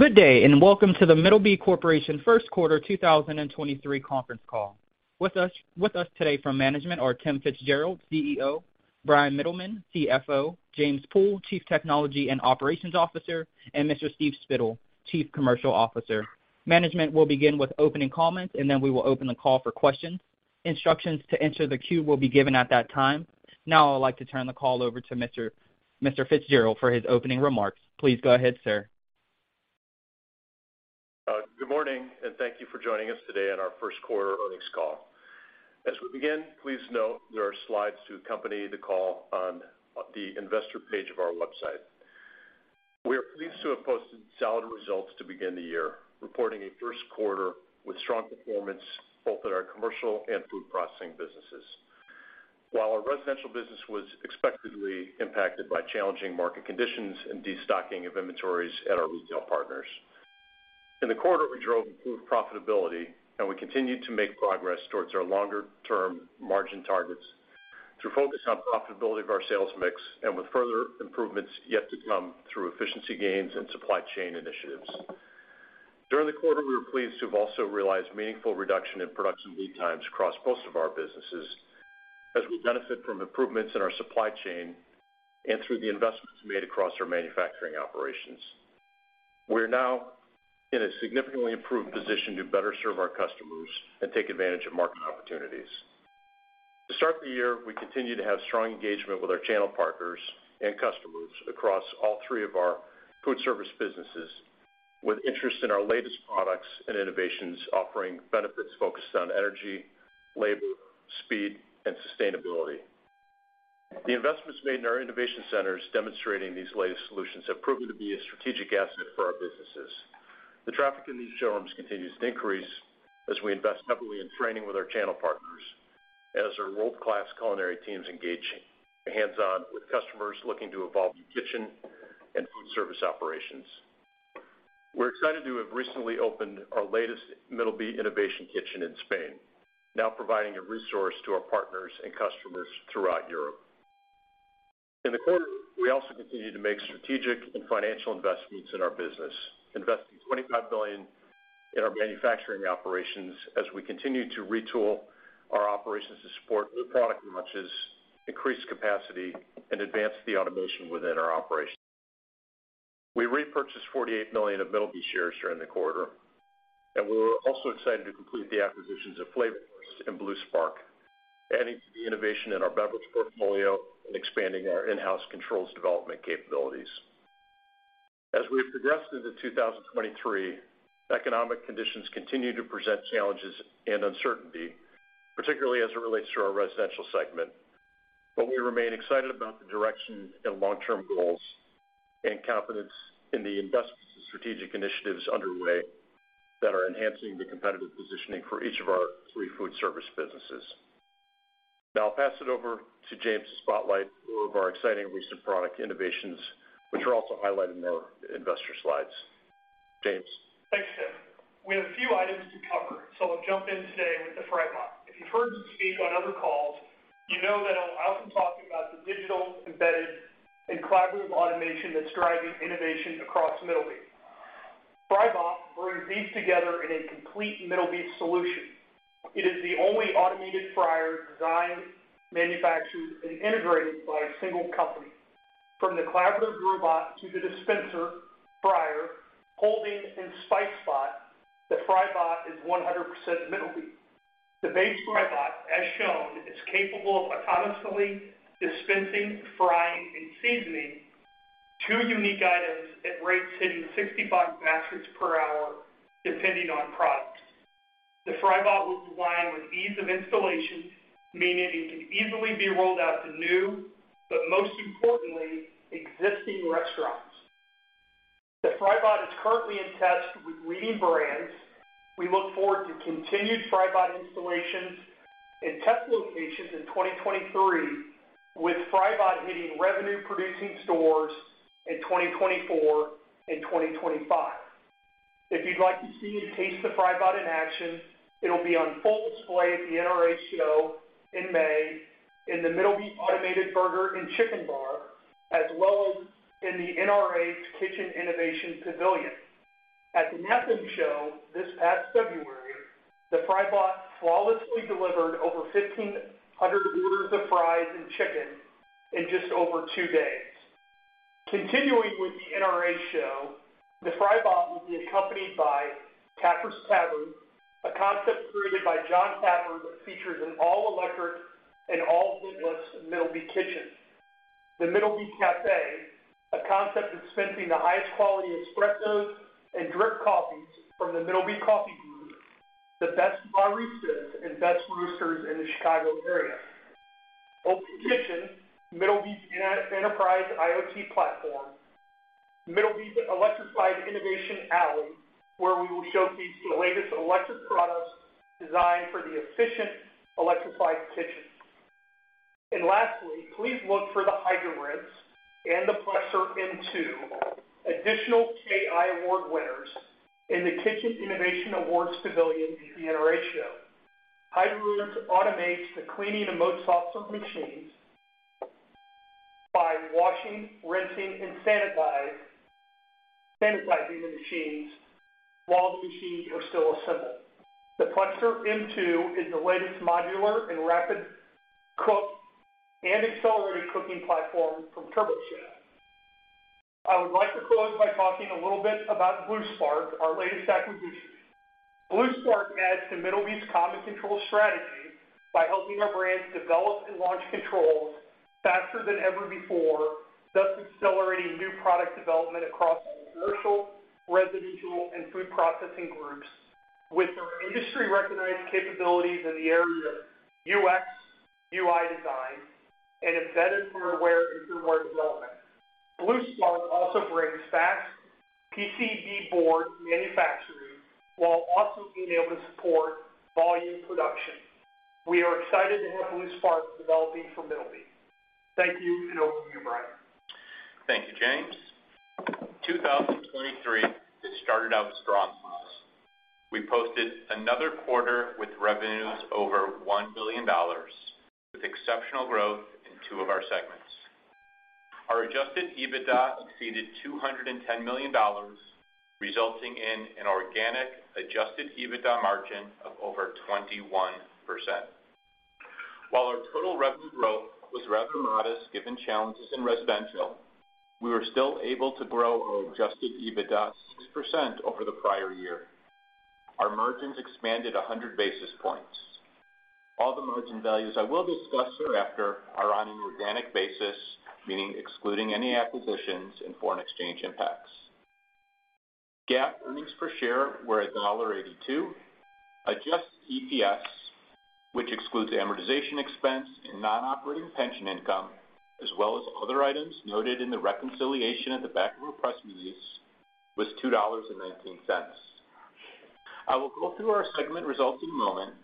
Good day, and welcome to The Middleby Corporation First Quarter 2023 Conference Call. With us today from management are Tim FitzGerald, CEO, Bryan Mittelman, CFO, James Pool, Chief Technology and Operations Officer, and Mr. Steve Spittle, Chief Commercial Officer. Management will begin with opening comments, and then we will open the call for questions. Instructions to enter the queue will be given at that time. Now, I'd like to turn the call over to Mr. FitzGerald for his opening remarks. Please go ahead, sir. Good morning, and thank you for joining us today on our first quarter earnings call. As we begin, please note there are slides to accompany the call on the Investor page of our website. We are pleased to have posted solid results to begin the year, reporting a first quarter with strong performance both at our Commercial and Food Processing businesses. While our Residential business was expectedly impacted by challenging market conditions and destocking of inventories at our retail partners. In the quarter, we drove improved profitability, and we continued to make progress towards our longer-term margin targets through focus on profitability of our sales mix and with further improvements yet to come through efficiency gains and supply chain initiatives. During the quarter, we were pleased to have also realized meaningful reduction in production lead times across most of our businesses as we benefit from improvements in our supply chain and through the investments made across our manufacturing operations. We're now in a significantly improved position to better serve our customers and take advantage of market opportunities. To start the year, we continue to have strong engagement with our channel partners and customers across all three of our food service businesses, with interest in our latest products and innovations offering benefits focused on energy, labor, speed, and sustainability. The investments made in our innovation centers demonstrating these latest solutions have proven to be a strategic asset for our businesses. The traffic in these showrooms continues to increase as we invest heavily in training with our channel partners, as our world-class culinary teams engage hands-on with customers looking to evolve the kitchen and food service operations. We're excited to have recently opened our latest Middleby Innovation Kitchen in Spain, now providing a resource to our partners and customers throughout Europe. In the quarter, we also continued to make strategic and financial investments in our business, investing $25 billion in our manufacturing operations as we continue to retool our operations to support new product launches, increase capacity, and advance the automation within our operations. We repurchased $48 million of Middleby shares during the quarter. We were also excited to complete the acquisitions of Flavor Burst and Blue Sparq, adding to the innovation in our beverage portfolio and expanding our in-house controls development capabilities. As we've progressed into 2023, economic conditions continue to present challenges and uncertainty, particularly as it relates to our Residential segment, but we remain excited about the direction and long-term goals and confidence in the investments and strategic initiatives underway that are enhancing the competitive positioning for each of our three foodservice businesses. Now I'll pass it over to James Pool to spotlight a few of our exciting recent product innovations, which are also highlighted in our investor slides. James. Thanks, Tim. We have a few items to cover. I'll jump in today with the FryBot. If you've heard me speak on other calls, you know that I often talk about the digital, embedded, and collaborative automation that's driving innovation across Middleby. FryBot brings these together in a complete Middleby solution. It is the only automated fryer designed, manufactured, and integrated by a single company. From the collaborative robot to the dispenser, fryer, holding, and SpiceBot, the FryBot is 100% Middleby. The base FryBot, as shown, is capable of autonomously dispensing, frying, and seasoning two unique items at rates hitting 65 baskets per hour, depending on product. The FryBot was designed with ease of installation, meaning it can easily be rolled out to new, but most importantly, existing restaurants. The FryBot is currently in test with leading brands. We look forward to continued FryBot installations in test locations in 2023, with FryBot hitting revenue-producing stores in 2024 and 2025. If you'd like to see and taste the FryBot in action, it'll be on full display at the NRA show in May in the Middleby automated burger and chicken bar, as well as in the NRA's Kitchen Innovation Pavilion. At the NAFEM Show this past February, the FryBot flawlessly delivered over 1,500 orders of fries and chicken in just over two days. Continuing with the NRA Show, the FryBot will be accompanied by Taffer's Tavern, a concept created by Jon Taffer that features an all-electric and all-ventless Middleby kitchen. The Middleby Cafe, a concept dispensing the highest quality espressos and drip coffees from the Middleby Coffee Solutions Group, the best baristas, and best roasters in the Chicago area. Open Kitchen, Middleby's inter-enterprise IoT platform. Middleby's Electrified Innovation Alley, where we will showcase the latest electric products designed for the efficient electrified kitchen. Lastly, please look for the HydroRinse and the Plexor M2, additional KI Award winners in the Kitchen Innovations Pavilion at the NRA Show. HydroRinse automates the cleaning of MvS machines by washing, rinsing, and sanitizing the machines while the machines are still assembled. The Plexor M2 is the latest modular and rapid cook and accelerated cooking platform from TurboChef. I would like to close by talking a little bit about Blue Sparq, our latest acquisition. Blue Sparq adds to Middleby's common control strategy by helping our brands develop and launch controls faster than ever before, thus accelerating new product development across Commercial, Residential, and Food Processing groups. With their industry-recognized capabilities in the area of UX, UI design, and embedded firmware development. Blue Sparq also brings fast PCB board manufacturing, while also being able to support volume production. We are excited to have Blue Sparq developing for Middleby. Thank you, and over to you, Bryan. Thank you, James. 2023 has started out strong for us. We posted another quarter with revenues over $1 billion, with exceptional growth in two of our segments. Our Adjusted EBITDA exceeded $210 million, resulting in an organic Adjusted EBITDA margin of over 21%. While our total revenue growth was rather modest given challenges in Residential, we were still able to grow our Adjusted EBITDA 6% over the prior year. Our margins expanded 100 basis points. All the margin values I will discuss hereafter are on an organic basis, meaning excluding any acquisitions and foreign exchange impacts. GAAP earnings per share were at $1.82. Adjusted EPS, which excludes amortization expense and non-operating pension income, as well as other items noted in the reconciliation at the back of our press release, was $2.19. I will go through our segment results in a moment,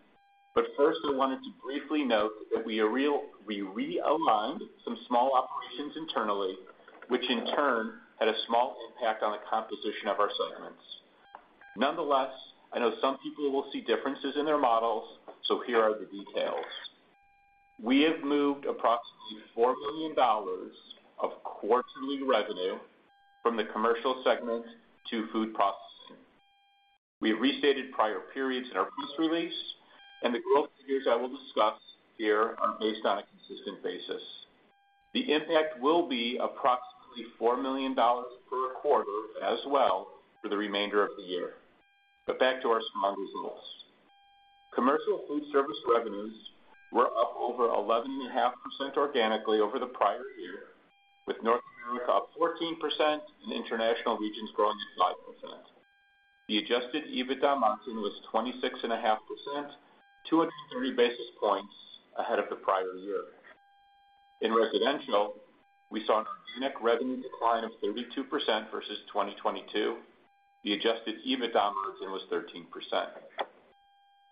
first, I wanted to briefly note that we realigned some small operations internally, which in turn had a small impact on the composition of our segments. Nonetheless, I know some people will see differences in their models, so here are the details. We have moved approximately $4 million of quarterly revenue from the Commercial segment to Food Processing. We have restated prior periods in our press release, and the growth figures I will discuss here are based on a consistent basis. The impact will be approximately $4 million per quarter as well for the remainder of the year. Back to our segment results. Commercial Food service revenues were up over 11.5% organically over the prior year, with North America up 14% and international regions growing at 5%. The Adjusted EBITDA margin was 26.5%, 230 basis points ahead of the prior year. In Residential, we saw an organic revenue decline of 32% versus 2022. The Adjusted EBITDA margin was 13%.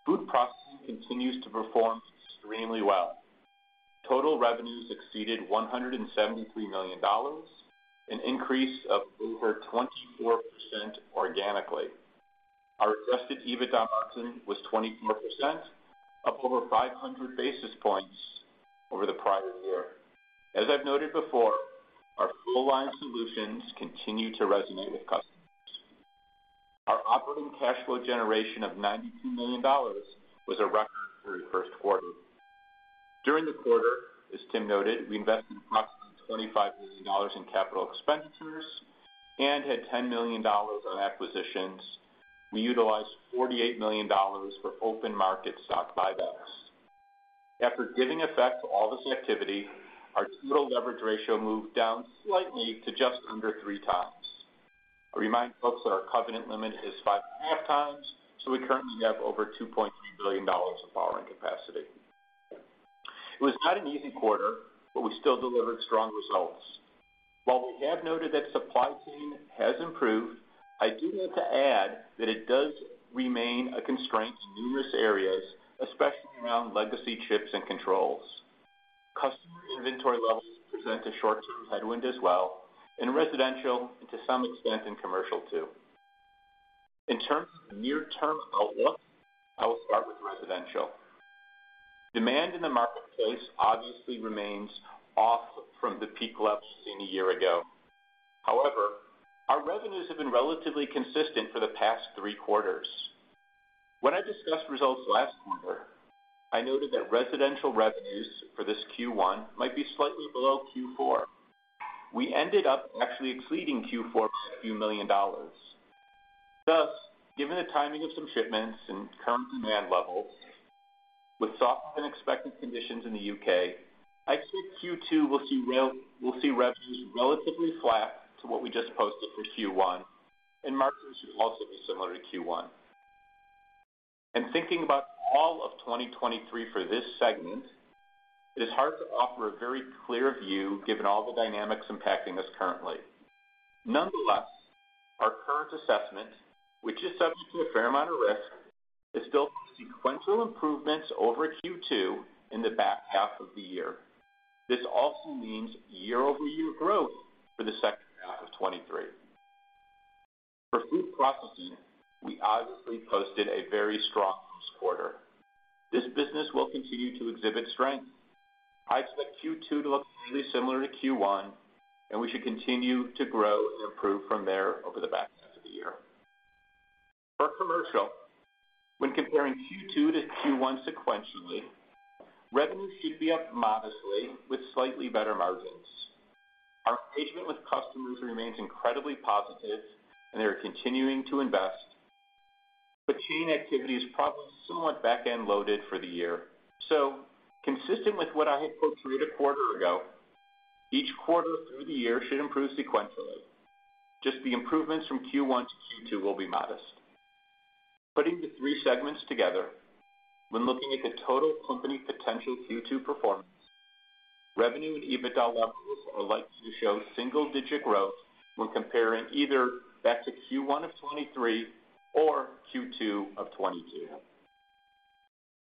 Food Processing continues to perform extremely well. Total revenues exceeded $173 million, an increase of over 24% organically. Our Adjusted EBITDA margin was 24%, up over 500 basis points over the prior year. As I've noted before, our full line solutions continue to resonate with customers. Our operating cash flow generation of $92 million was a record for the first quarter. During the quarter, as Tim noted, we invested approximately $25 million in capital expenditures and had $10 million on acquisitions. We utilized $48 million for open market stock buybacks. After giving effect to all this activity, our total leverage ratio moved down slightly to just under 3x. I remind folks that our covenant limit is 5.5x, we currently have over $2.3 billion of borrowing capacity. It was not an easy quarter, we still delivered strong results. While we have noted that supply chain has improved, I do want to add that it does remain a constraint in numerous areas, especially around legacy chips and controls. Customer inventory levels present a short-term headwind as well in Residential and to some extent in Commercial too. In terms of the near-term outlook, I will start with Residential. Demand in the marketplace obviously remains off from the peak levels seen a year ago. However, our revenues have been relatively consistent for the past three quarters. When I discussed results last quarter, I noted that Residential revenues for this Q1 might be slightly below Q4. We ended up actually exceeding Q4 by a few million dollars. Thus, given the timing of some shipments and current demand levels, with softer-than-expected conditions in the U.K., I'd say Q2 will see revenues relatively flat to what we just posted for Q1, and margins should also be similar to Q1. Thinking about all of 2023 for this segment, it is hard to offer a very clear view given all the dynamics impacting us currently. Nonetheless, our current assessment, which is subject to a fair amount of risk, is still sequential improvements over Q2 in the back half of the year. This also means year-over-year growth for the second half of 2023. For Food Processing, we obviously posted a very strong quarter. This business will continue to exhibit strength. I expect Q2 to look really similar to Q1. We should continue to grow and improve from there over the back half of the year. For Commercial, when comparing Q2 to Q1 sequentially, revenue should be up modestly with slightly better margins. Our engagement with customers remains incredibly positive, and they are continuing to invest. Chain activity is probably somewhat back-end loaded for the year. Consistent with what I had portrayed a quarter ago, each quarter through the year should improve sequentially. Just the improvements from Q1 to Q2 will be modest. Putting the three segments together, when looking at the total company potential Q2 performance, revenue and EBITDA levels are likely to show single-digit growth when comparing either back to Q1 of 2023 or Q2 of 2022.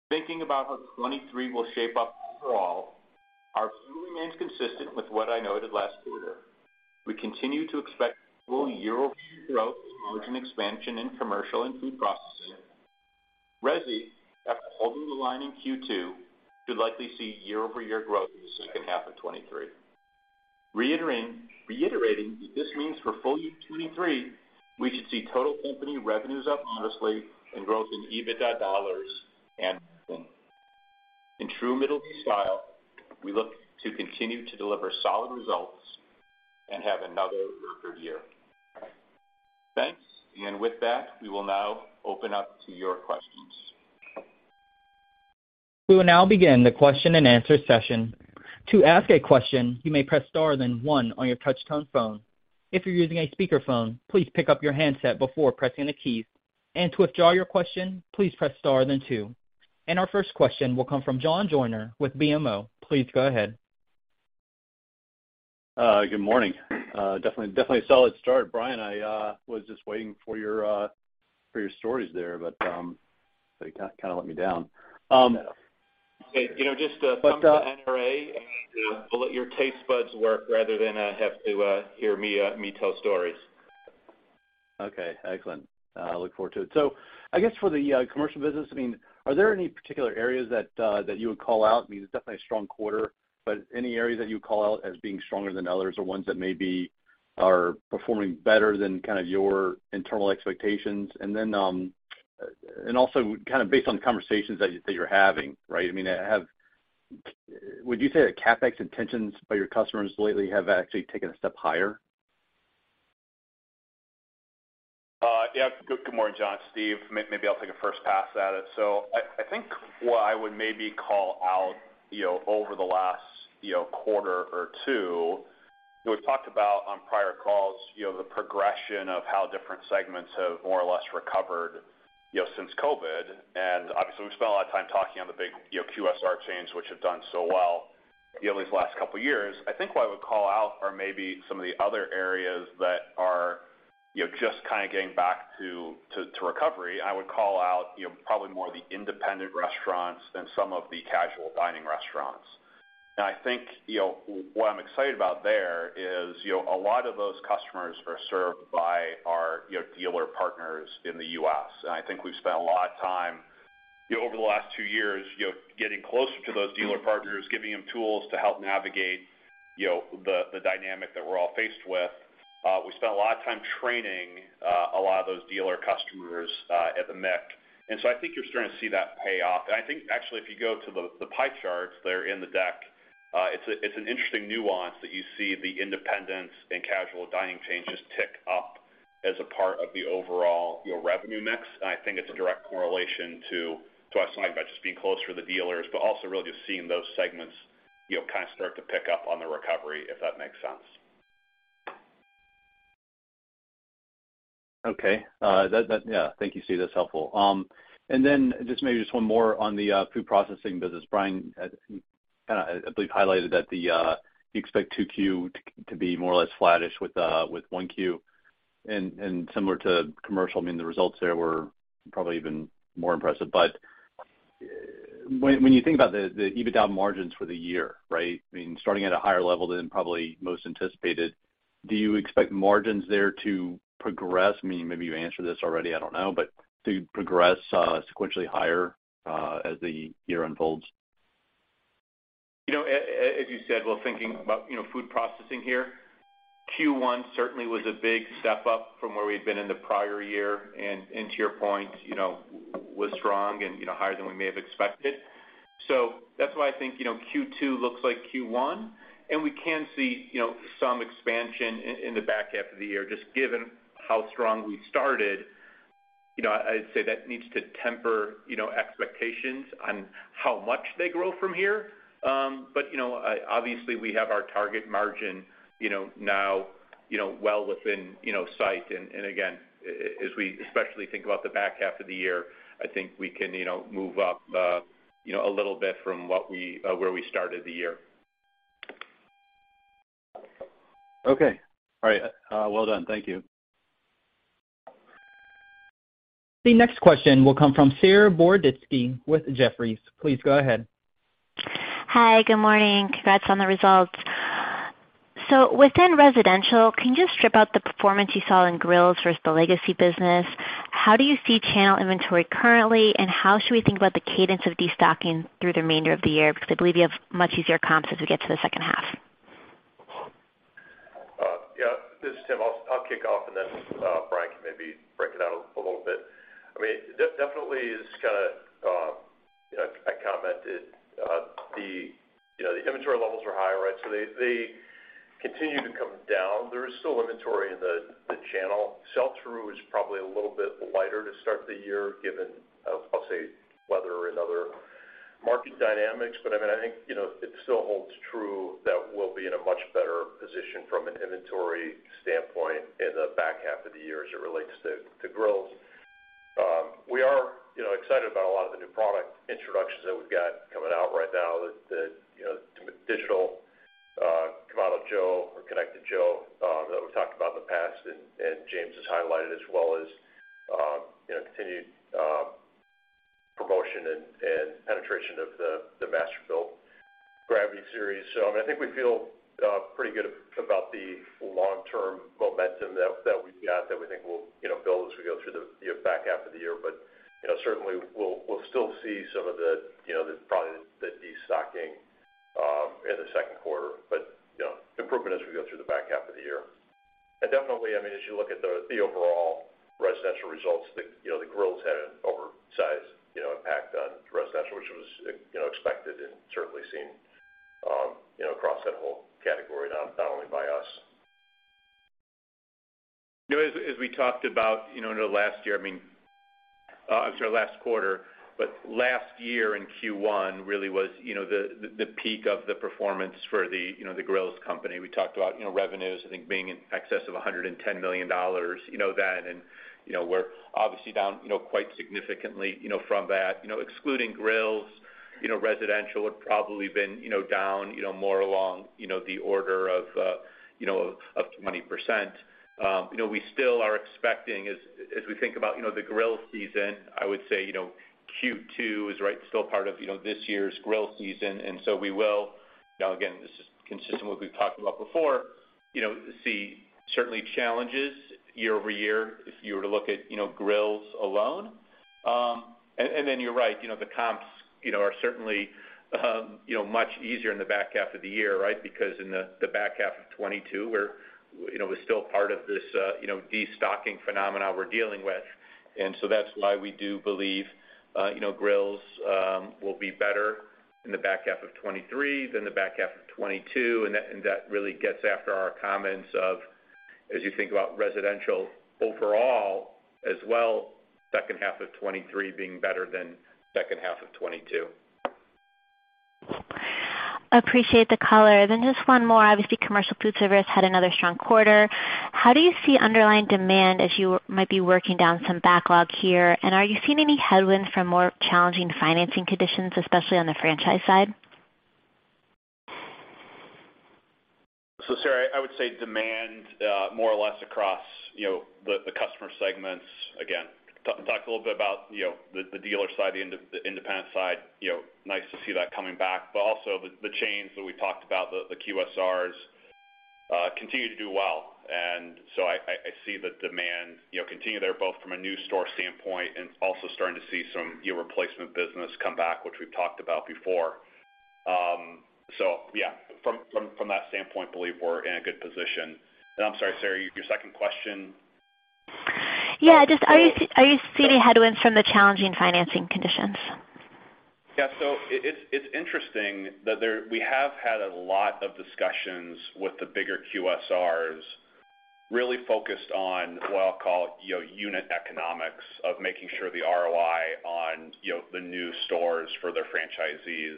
Thinking about how 2023 will shape up overall, our view remains consistent with what I noted last quarter. We continue to expect full year-over-year growth, margin expansion in Commercial and Food Processing. Resi, after holding the line in Q2, should likely see year-over-year growth in the second half of 2023. reiterating that this means for full year 2023, we should see total company revenues up modestly and growth in EBITDA dollars and then. In true Middleby style, we look to continue to deliver solid results and have another record year. Thanks. With that, we will now open up to your questions. We will now begin the question-and-answer session. To ask a question, you may press star then one on your touch-tone phone. If you're using a speakerphone, please pick up your handset before pressing the keys. To withdraw your question, please press star then two. Our first question will come from John Joyner with BMO. Please go ahead. Good morning. Definitely a solid start. Bryan, I was just waiting for your for your stories there, but so you kind of let me down. Okay, you know, just, come to NRA, and, we'll let your taste buds work rather than, have to, hear me tell stories. Okay, excellent. I look forward to it. I guess for the Commercial business, I mean, are there any particular areas that you would call out? I mean, it's definitely a strong quarter, but any areas that you call out as being stronger than others or ones that maybe are performing better than kind of your internal expectations? Then, also kind of based on conversations that you, that you're having, right? I mean, would you say that CapEx intentions by your customers lately have actually taken a step higher? Yeah. Good morning, John. It's Steve, maybe I'll take a first pass at it. I think what I would maybe call out, you know, over the last, you know, quarter or two, we've talked about on prior calls, you know, the progression of how different segments have more or less recovered, you know, since COVID. Obviously, we've spent a lot of time talking on the big, you know, QSR chains, which have done so well, you know, these last couple years. I think what I would call out are maybe some of the other areas that are, you know, just kind of getting back to recovery. I would call out, you know, probably more of the independent restaurants than some of the casual dining restaurants. I think, you know, what I'm excited about there is, you know, a lot of those customers are served by our, you know, dealer partners in the U.S. I think we've spent a lot of time, you know, over the last two years, you know, getting closer to those dealer partners, giving them tools to help navigate, you know, the dynamic that we're all faced with. We spent a lot of time training a lot of those dealer customers at the MIK. I think you're starting to see that pay off. I think actually, if you go to the pie charts there in the deck, it's an interesting nuance that you see the independents and casual dining changes tick up as a part of the overall, you know, revenue mix. I think it's a direct correlation to us talking about just being closer to the dealers, but also really just seeing those segments, you know, kind of start to pick up on the recovery, if that makes sense? Okay. Yeah. Thank you, Steve. That's helpful. Then just maybe just one more on the Food Processing business. Bryan Mittelman, I believe highlighted that you expect 2Q to be more or less flattish with 1Q. Similar to Commercial, I mean, the results there were probably even more impressive. When you think about the EBITDA margins for the year, right? I mean, starting at a higher level than probably most anticipated, do you expect margins there to progress? I mean, maybe you answered this already, I don't know. To progress sequentially higher as the year unfolds. You know, as you said, we're thinking about, you know, Food Processing here. Q1 certainly was a big step up from where we've been in the prior year, and to your point, you know, was strong and, you know, higher than we may have expected. That's why I think, you know, Q2 looks like Q1, and we can see, you know, some expansion in the back half of the year. Just given how strong we started, you know, I'd say that needs to temper, you know, expectations on how much they grow from here. You know, obviously, we have our target margin, you know, now, you know, well within, you know, sight. Again, as we especially think about the back half of the year, I think we can, you know, move up, you know, a little bit from where we started the year. Okay. All right. Well done. Thank you. The next question will come from Saree Boroditsky with Jefferies. Please go ahead. Hi, good morning. Congrats on the results. Within Residential, can you just strip out the performance you saw in grills versus the legacy business? How do you see channel inventory currently, and how should we think about the cadence of destocking through the remainder of the year? I believe you have much easier comps as we get to the second half. Yeah, this is Tim. I'll kick off, Bryan can maybe break it down a little bit. definitely is kinda, you know, I commented, the, you know, the inventory levels were higher, right? they continue to come down. There is still inventory in the channel. Sell-through is probably a little bit lighter to start the year, given, I'll say weather and other market dynamics. I think, you know, it still holds true that we'll be in a much better position from an inventory standpoint in the back half of the year as it relates to grills. We are, you know, excited about a lot of the new product introductions that we've got coming out right now that, you know, digital, come out of JoeTap or Konnected Joe, that we've talked about in the past. James has highlighted as well as, you know, continued promotion and penetration of the Masterbuilt Gravity Series. I mean, I think we feel pretty good about the long-term momentum that we've got that we think will, you know, build as we go through the, you know, back half of the year. You know, certainly we'll still see some of the, you know, probably the destocking in the second quarter. You know, improvement as we go through the back half of the year. Definitely, I mean, as you look at the overall Residential results, the, you know, the grills had an oversized, you know, impact on Residential, which was expected and certainly seen, you know, across that whole category, not only by us. You know, as we talked about, you know, in the last year, I mean, I'm sorry, last quarter, but last year in Q1 really was, you know, the peak of the performance for the, you know, the grills company. We talked about, you know, revenues, I think being in excess of $110 million, you know that and, you know, we're obviously down, you know, quite significantly, you know, from that. You know, excluding grills, you know, Residential would probably been, you know, down, you know, more along, you know, the order of, you know, 20%. You know, we still are expecting as we think about, you know, the grill season, I would say, you know, Q2 is right, still part of, you know, this year's grill season, and so we will. Now, again, this is consistent with what we've talked about before, you know, see certainly challenges year-over-year if you were to look at, you know, grills alone. You're right, you know, the comps, you know, are certainly, you know, much easier in the back half of the year, right? Because in the back half of 2022, we're, you know, we're still part of this, you know, destocking phenomena we're dealing with. That's why we do believe, you know, grilles will be better in the back half of 2023 than the back half of 2022. That really gets after our comments of as you think about Residential overall as well, second half of 2023 being better than second half of 2022. Appreciate the color. Just one more. Obviously, Commercial Food service had another strong quarter. How do you see underlying demand as you might be working down some backlog here? Are you seeing any headwinds from more challenging financing conditions, especially on the franchise side? Saree, I would say demand, more or less across, you know, the customer segments. Again, talked a little bit about, you know, the dealer side, the independent side, you know, nice to see that coming back. Also the chains that we talked about, the QSRs continue to do well. I, I see the demand, you know, continue there both from a new store standpoint and also starting to see some gear replacement business come back, which we've talked about before. Yeah, from that standpoint, believe we're in a good position. I'm sorry, Saree, your second question. Yeah. Just are you seeing any headwinds from the challenging financing conditions? Yeah. It's interesting that we have had a lot of discussions with the bigger QSRs really focused on what I'll call, you know, unit economics of making sure the ROI on, you know, the new stores for their franchisees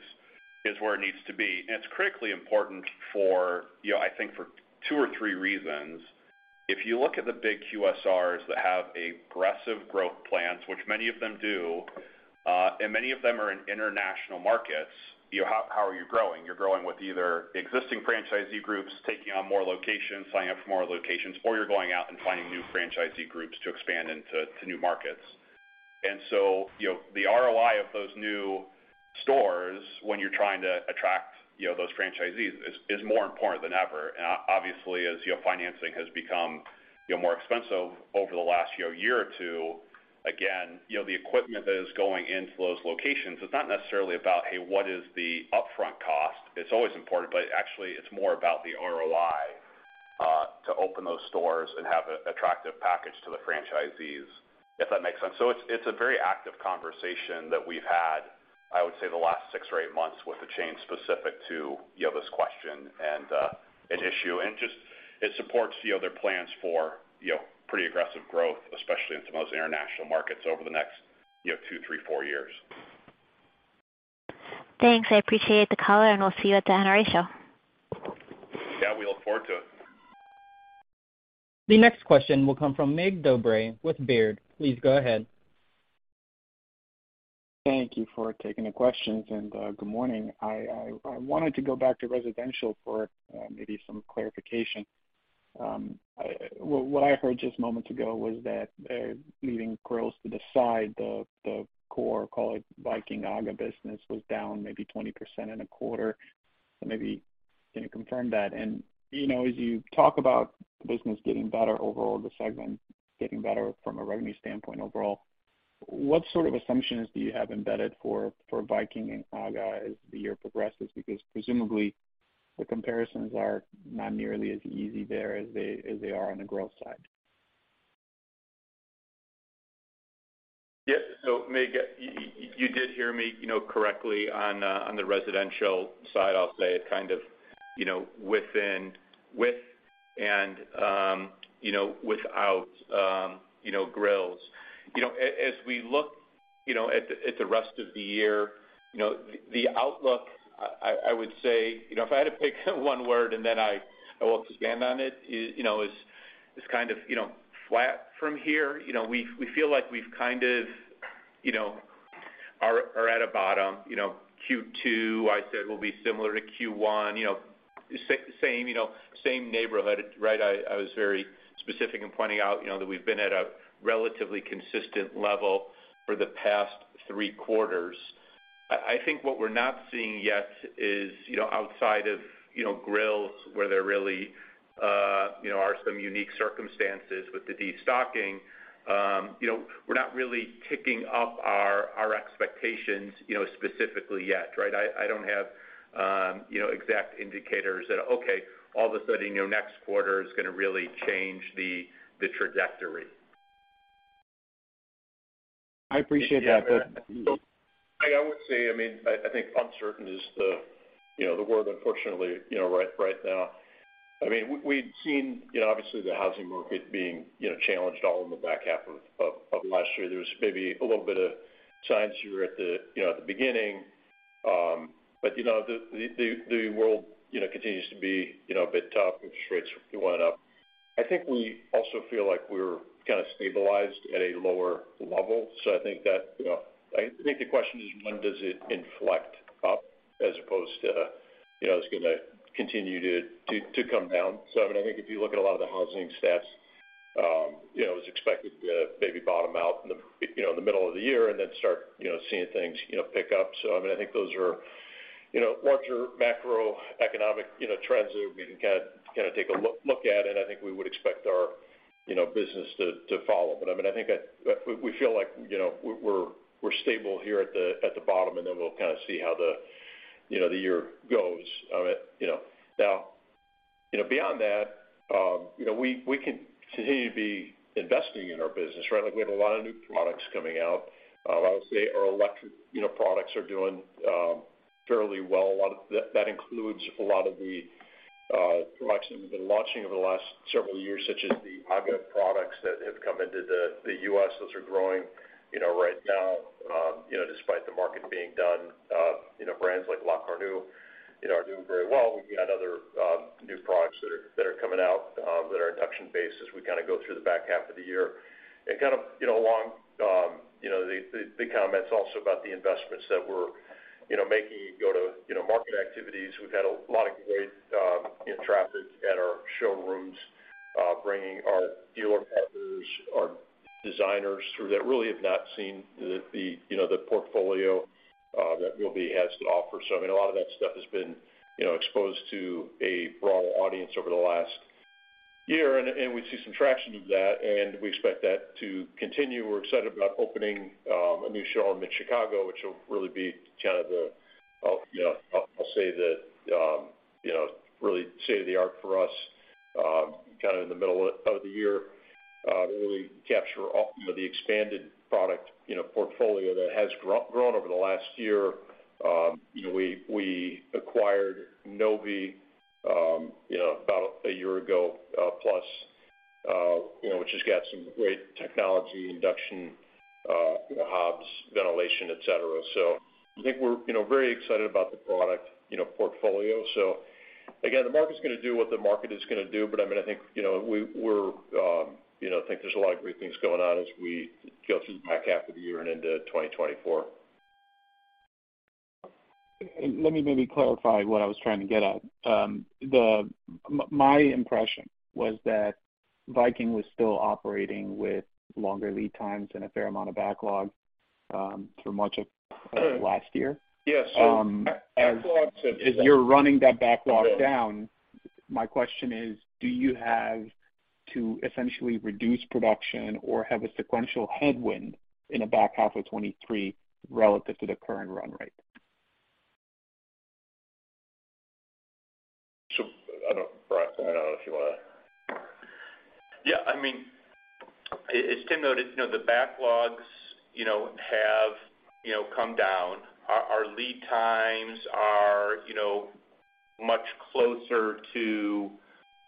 is where it needs to be. It's critically important for, you know, I think for two or three reasons. If you look at the big QSRs that have aggressive growth plans, which many of them do, and many of them are in international markets, you know, how are you growing? You're growing with either existing franchisee groups taking on more locations, signing up for more locations, or you're going out and finding new franchisee groups to expand into, to new markets. You know, the ROI of those new stores when you're trying to attract, you know, those franchisees is more important than ever. Obviously, as, you know, financing has become, you know, more expensive over the last, you know, year or two, again, you know, the equipment that is going into those locations, it's not necessarily about, hey, what is the upfront cost? It's always important, but actually, it's more about the ROI to open those stores and have a attractive package to the franchisees, if that makes sense. It's a very active conversation that we've had, I would say, the last six or eight months with the chain specific to, you know, this question and an issue. Just it supports, you know, their plans for, you know, pretty aggressive growth, especially into most international markets over the next, you know, two, three, four years. Thanks. I appreciate the color. We'll see you at the NRA Show. Yeah, we look forward to it. The next question will come from Mircea Dobre with Baird. Please go ahead. Thank you for taking the questions. Good morning. I wanted to go back to Residential for maybe some clarification. Well, what I heard just moments ago was that leaving grills to the side, the core, call it Viking/AGA business, was down maybe 20% in a quarter. Maybe can you confirm that? You know, as you talk about the business getting better overall, the segment getting better from a revenue standpoint overall, what sort of assumptions do you have embedded for Viking and AGA as the year progresses? Because presumably the comparisons are not nearly as easy there as they are on the growth side. Yeah. Mircea Dobre, you did hear me, you know, correctly on the Residential side. I'll say it kind of, you know, with and, you know, without, you know, grills. As we look, you know, at the rest of the year, you know, the outlook, I would say, you know, if I had to pick one word, and then I will expand on it, you know, is kind of, you know, flat from here. We feel like we've kind of, you know, are at a bottom. Q2 I said will be similar to Q1. Same, you know, same neighborhood, right? I was very specific in pointing out, you know, that we've been at a relatively consistent level for the past three quarters. I think what we're not seeing yet is, you know, outside of, you know, grills, where there really, you know, are some unique circumstances with the destocking, you know, we're not really ticking up our expectations, you know, specifically yet, right? I don't have, you know, exact indicators that, okay, all of a sudden, you know, next quarter is gonna really change the trajectory. I appreciate that. I would say, I mean, I think uncertain is the, you know, the word unfortunately, you know, right now. I mean, we'd seen, you know, obviously the housing market being, you know, challenged all in the back half of, of last year. There was maybe a little bit of signs here at the, you know, at the beginning. The, the, the world, you know, continues to be, you know, a bit tough with rates going up. I think we also feel like we're kind of stabilized at a lower level. I think that, I think the question is when does it inflect up as opposed to, you know, it's gonna continue to, to come down. I mean, I think if you look at a lot of the housing stats, you know, it was expected to maybe bottom out in the, you know, in the middle of the year and then start, you know, seeing things, you know, pick up. I mean, I think those are, you know, larger macroeconomic, you know, trends that we can kind of take a look at, and I think we would expect our, you know, business to follow. I mean, I think that we feel like, you know, we're stable here at the bottom, and then we'll kind of see how the, you know, the year goes. You know, now, you know, beyond that, you know, we continue to be investing in our business, right? Like, we have a lot of new products coming out. I would say our electric, you know, products are doing fairly well. A lot of that includes a lot of the products that we've been launching over the last several years, such as the AGA products that have come into the U.S. Those are growing, you know, right now, you know, despite the market being done. You know, brands like La Cornue, you know, are doing very well. We've got other new products that are induction based as we kind of go through the back half of the year. Kind of, you know, along, you know, the comments also about the investments that we're, you know, making. Go to, you know, market activities, we've had a lot of great, you know, traffic at our showrooms, bringing our dealer partners, our designers through that really have not seen the, you know, the portfolio that has to offer. I mean, a lot of that stuff has been, you know, exposed to a broader audience over the last year, and we see some traction of that, and we expect that to continue. We're excited about opening a new showroom in Chicago, which will really be kind of the. You know, I'll say the, you know, really state-of-the-art for us, kind of in the middle of the year, to really capture all, you know, the expanded product, you know, portfolio that has grown over the last year. You know, we acquired Novy, you know, about a year ago, plus, you know, which has got some great technology, induction, you know, hobs, ventilation, et cetera. I think we're, you know, very excited about the product, you know, portfolio. Again, the market's gonna do what the market is gonna do, but I mean, I think, you know, we're, you know, I think there's a lot of great things going on as we go through the back half of the year and into 2024. Let me maybe clarify what I was trying to get at. My impression was that Viking was still operating with longer lead times and a fair amount of backlog, through much of last year. Yeah. As you're running that backlog down, my question is, do you have to essentially reduce production or have a sequential headwind in the back half of 2023 relative to the current run rate? Bryan, I don't know if you wanna... Yeah. I mean, as Tim noted, you know, the backlogs, you know, have, you know, come down. Our lead times are, you know, much closer to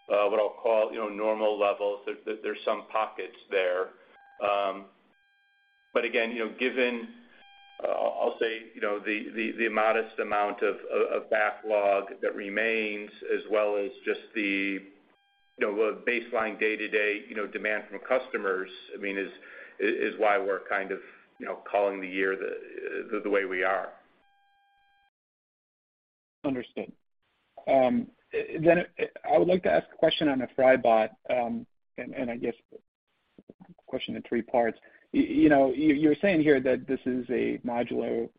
what I'll call, you know, normal levels. There's some pockets there. Again, you know, given, I'll say, you know, the modest amount of backlog that remains as well as just the. You know, a baseline day-to-day, you know, demand from customers, I mean, is why we're kind of, you know, calling the year the way we are. Understood. I would like to ask a question on the FryBot, and I guess a question in three parts. You're saying here that this is a modular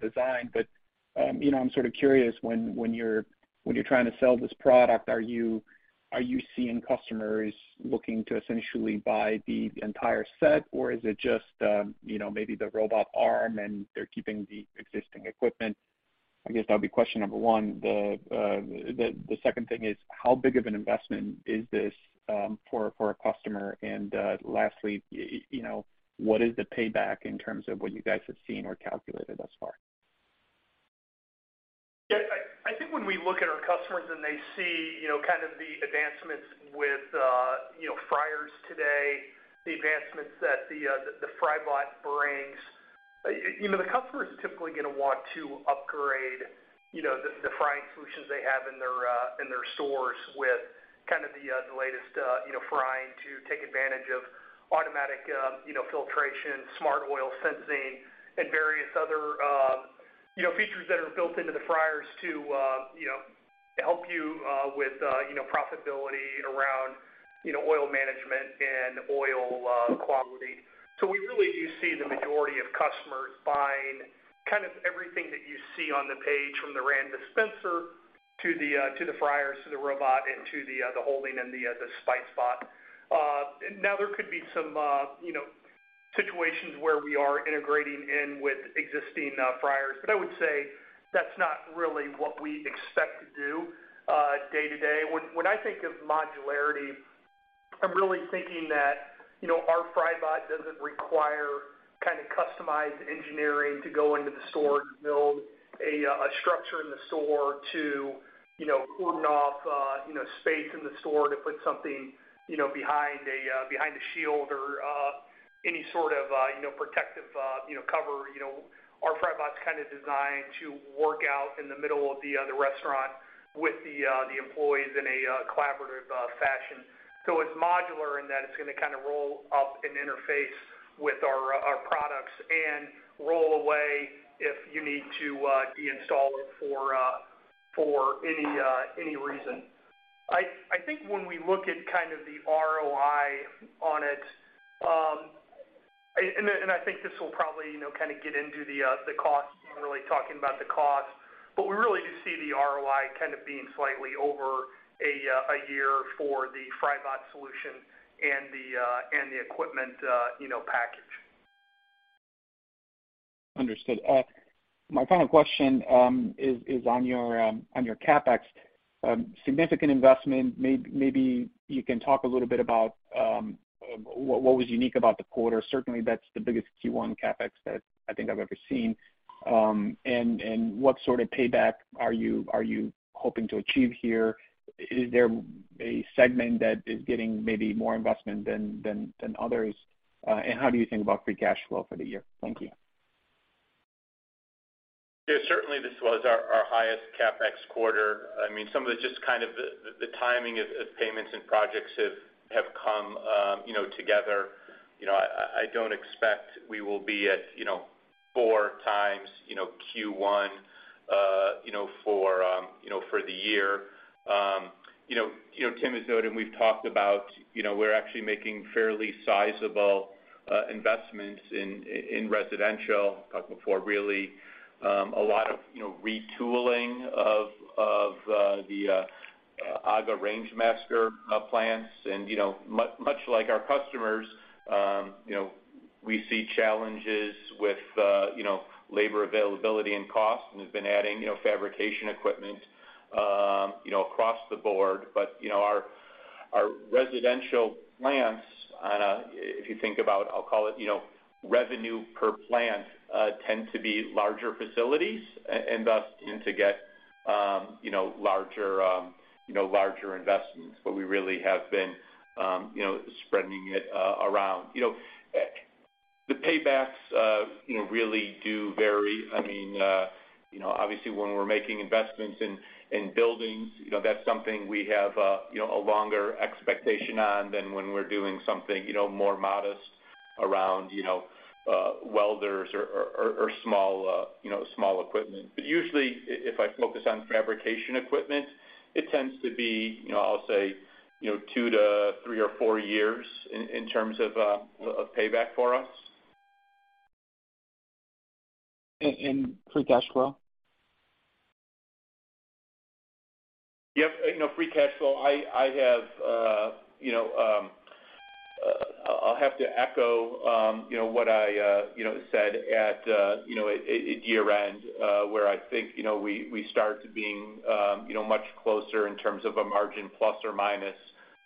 design, but I'm sort of curious when you're trying to sell this product, are you seeing customers looking to essentially buy the entire set? Is it just maybe the robot arm and they're keeping the existing equipment? I guess that'll be question number one. The second thing is how big of an investment is this for a customer? Lastly, what is the payback in terms of what you guys have seen or calculated thus far? Yeah, I think when we look at our customers and they see, you know, kind of the advancements with, you know, fryers today, the advancements that the FryBot brings, you know, the customer is typically gonna want to upgrade, you know, the frying solutions they have in their stores with kind of the latest, you know, frying to take advantage of automatic, you know, filtration, smart oil sensing and various other, you know, features that are built into the fryers to, you know, help you with, you know, profitability around, you know, oil management and oil quality. We really do see the majority of customers buying kind of everything that you see on the page, from the rand dispenser, to the, to the fryers, to the robot, and to the holding and the SpiceBot. Now there could be some, you know, situations where we are integrating in with existing, fryers, but I would say that's not really what we expect to do, day to day. When, when I think of modularity, I'm really thinking that, you know, our FryBot doesn't require kind of customized engineering to go into the store to build a structure in the store to, you know, cordon off, you know, space in the store to put something, you know, behind a, behind a shield or, any sort of, you know, protective, you know, cover. You know, our FryBot's kind of designed to work out in the middle of the restaurant with the employees in a collaborative fashion. It's modular in that it's gonna kind of roll up and interface with our products and roll away if you need to de-install it for any reason. I think when we look at kind of the ROI on it, and I think this will probably, you know, kind of get into the cost, really talking about the cost, but we really do see the ROI kind of being slightly over a year for the FryBot solution and the equipment, you know, package. Understood. My final question is on your CapEx. Significant investment, maybe you can talk a little bit about what was unique about the quarter. Certainly, that's the biggest Q1 CapEx that I think I've ever seen. What sort of payback are you hoping to achieve here? Is there a segment that is getting maybe more investment than others? How do you think about free cash flow for the year? Thank you. Yeah, certainly this was our highest CapEx quarter. I mean, some of the just kind of the timing of payments and projects have come, you know, together. You know, I don't expect we will be at, you know, 4x, you know, Q1, you know, for the year. You know, Tim has noted and we've talked about, you know, we're actually making fairly sizable investments in Residential. Talked before, really, a lot of, you know, retooling of the AGA Rangemaster plants. You know, much like our customers, you know, we see challenges with, you know, labor availability and cost, and we've been adding, you know, fabrication equipment, you know, across the board. You know, our Residential plants on a, if you think about, I'll call it, you know, revenue per plant, tend to be larger facilities, and thus tend to get, you know, larger, you know, larger investments. We really have been, you know, spreading it around. You know, the paybacks, you know, really do vary. I mean, you know, obviously, when we're making investments in buildings, you know, that's something we have, you know, a longer expectation on than when we're doing something, you know, more modest around, you know, welders or, or small, you know, small equipment. Usually, if I focus on fabrication equipment, it tends to be, you know, I'll say, you know, 2 -3 or 4 years in terms of payback for us. Free cash flow? Yep, you know, free cash flow, I have, you know, I'll have to echo, you know, what I, you know, said at, you know, at year-end, where I think, you know, we start being, you know, much closer in terms of a margin plus or minus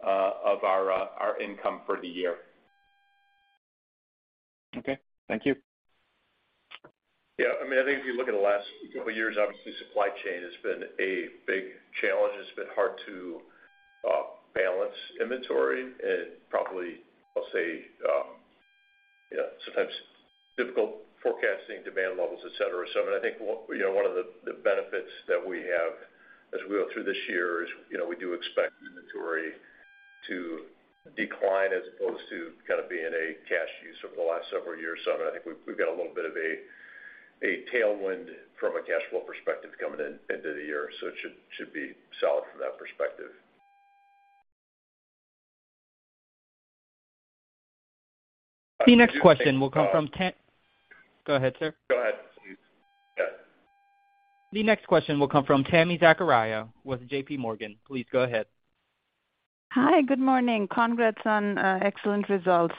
of our income for the year. Okay. Thank you. Yeah. I mean, I think if you look at the last couple years, obviously supply chain has been a big challenge, and it's been hard to balance inventory. Probably I'll say. Sometimes difficult forecasting demand levels, et cetera. I mean, I think, you know, one of the benefits that we have as we go through this year is, you know, we do expect inventory to decline as opposed to kind of be in a cash use over the last several years. I mean, I think we've got a little bit of a tailwind from a cash flow perspective coming into the year, so it should be solid from that perspective. The next question will come from. Go ahead, sir. Go ahead, please. Yeah. The next question will come from Tami Zakaria with JPMorgan. Please go ahead. Hi, good morning. Congrats on excellent results.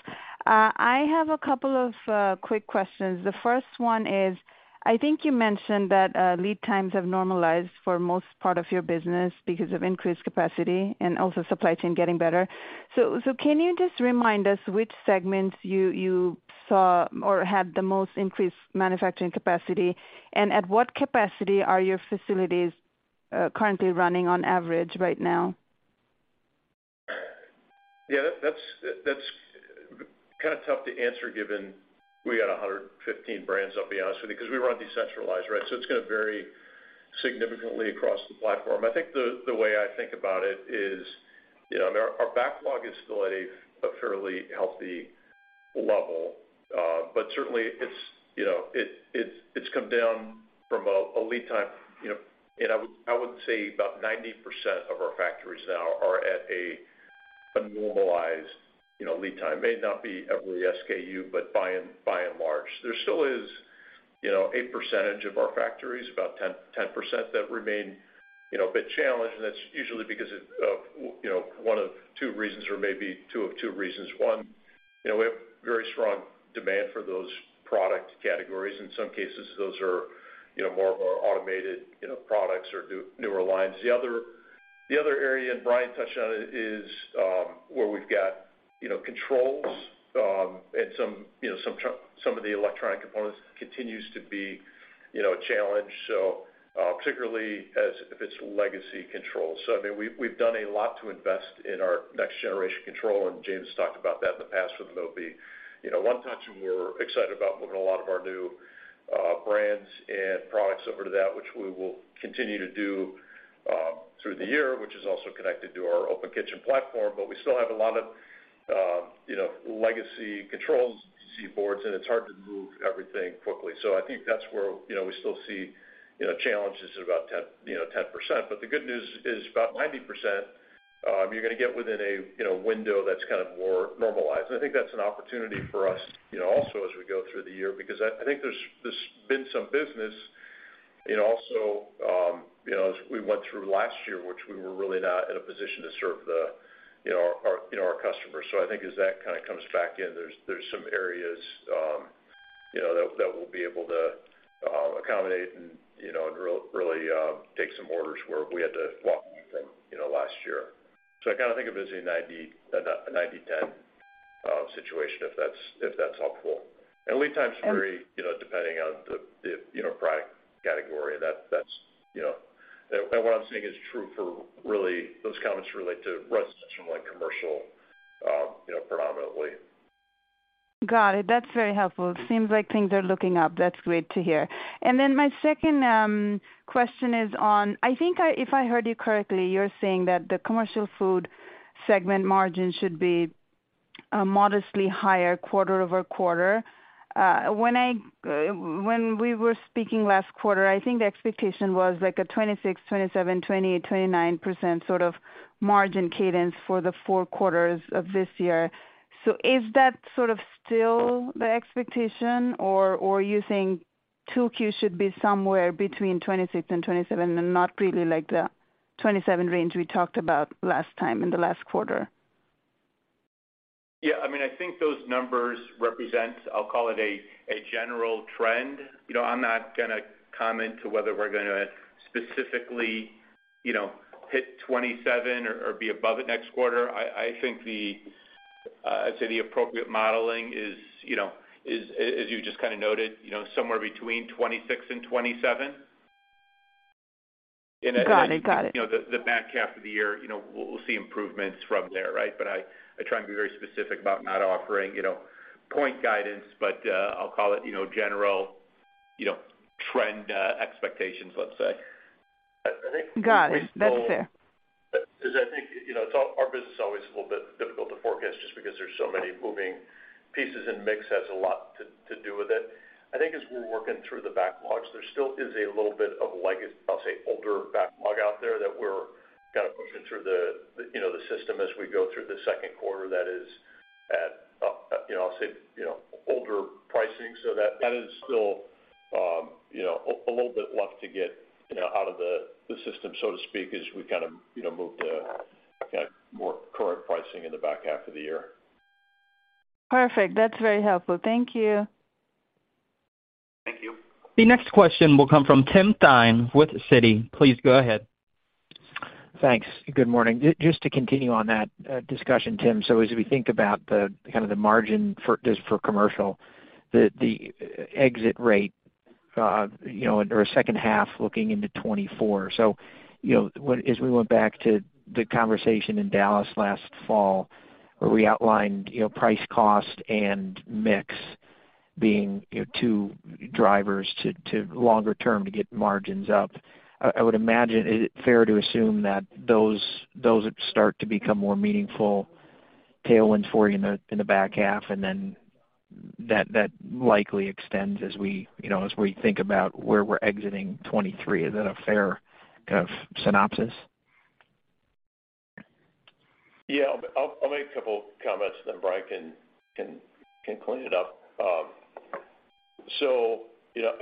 I have a couple of quick questions. The first one is, I think you mentioned that lead times have normalized for most part of your business because of increased capacity and also supply chain getting better. Can you just remind us which segments you saw or had the most increased manufacturing capacity? And at what capacity are your facilities currently running on average right now? Yeah, that's kind of tough to answer given we got 115 brands, I'll be honest with you, because we run decentralized, right? It's gonna vary significantly across the platform. I think the way I think about it is, you know, our backlog is still at a fairly healthy level, but certainly it's, you know, it's come down from a lead time, you know. I would say about 90% of our factories now are at a normalized, you know, lead time. May not be every SKU, but by and large. There still is, you know, a percentage of our factories, about 10% that remain, you know, a bit challenged, and that's usually because of, you know, one of two reasons or maybe two of two reasons. One, you know, we have very strong demand for those product categories. In some cases, those are, you know, more of our automated, you know, products or new, newer lines. The other area, and Bryan touched on it, is where we've got, you know, controls, and some of the electronic components continues to be, you know, a challenge, particularly as if it's legacy controls. I mean, we've done a lot to invest in our next generation control, and James talked about that in the past with Moby. You know, OneTouch, and we're excited about moving a lot of our new brands and products over to that, which we will continue to do through the year, which is also connected to our Open Kitchen platform. We still have a lot of, you know, legacy controls, PCBs, and it's hard to move everything quickly. I think that's where, you know, we still see, you know, challenges at about 10%. The good news is about 90%, you're gonna get within a, you know, window that's kind of more normalized. I think that's an opportunity for us, you know, also as we go through the year, because I think there's been some business and also, you know, as we went through last year, which we were really not in a position to serve our customers. I think as that kind of comes back in, there's some areas, you know, that we'll be able to accommodate and, you know, really take some orders where we had to walk away from, you know, last year. I kind of think of it as a 90/10 situation, if that's, if that's helpful. Lead times vary, you know, depending on the, you know, product category. What I'm saying is true for really those comments relate to Residential and Commercial, you know, predominantly. Got it. That's very helpful. Seems like things are looking up. That's great to hear. My second question is on... I think if I heard you correctly, you're saying that the Commercial Food segment margin should be modestly higher quarter-over-quarter. When we were speaking last quarter, I think the expectation was like a 26%, 27%, 28%, 29% sort of margin cadence for the four quarters of this year. Is that sort of still the expectation? Or you think 2Q's should be somewhere between 26% and 27% and not really like the 27% range we talked about last time in the last quarter? Yeah, I mean, I think those numbers represent, I'll call it a general trend. You know, I'm not gonna comment to whether we're gonna specifically, you know, hit 27 or be above it next quarter. I think the I'd say the appropriate modeling is, you know, is as you just kind of noted, you know, somewhere between 26 and 27. Got it. Got it. You know, the back half of the year, you know, we'll see improvements from there, right? I try and be very specific about not offering, you know, point guidance, but I'll call it, you know, general, you know, trend expectations, let's say. Got it. That's fair. 'Cause I think, you know, it's all our business is always a little bit difficult to forecast just because there's so many moving pieces, and mix has a lot to do with it. I think as we're working through the backlogs, there still is a little bit of legacy, I'll say, older backlog out there that we're kind of pushing through the, you know, the system as we go through the second quarter that is at, you know, I'll say, older pricing. That, that is still, you know, a little bit left to get, you know, out of the system, so to speak, as we kind of, you know, move to kind of more current pricing in the back half of the year. Perfect. That's very helpful. Thank you. Thank you. The next question will come from Tim Thein with Citi. Please go ahead. Thanks. Good morning. Just to continue on that discussion, Tim. As we think about the kind of the margin for just for Commercial, the exit rate or second half looking into 2024. As we went back to the conversation in Dallas last fall, where we outlined price, cost, and mix being two drivers to longer term to get margins up. I would imagine is it fair to assume that those would start to become more meaningful tailwinds for you in the back half, and then that likely extends as we think about where we're exiting 2023? Is that a fair kind of synopsis? Yeah. I'll make a couple comments, then Bryan can clean it up. So, you know,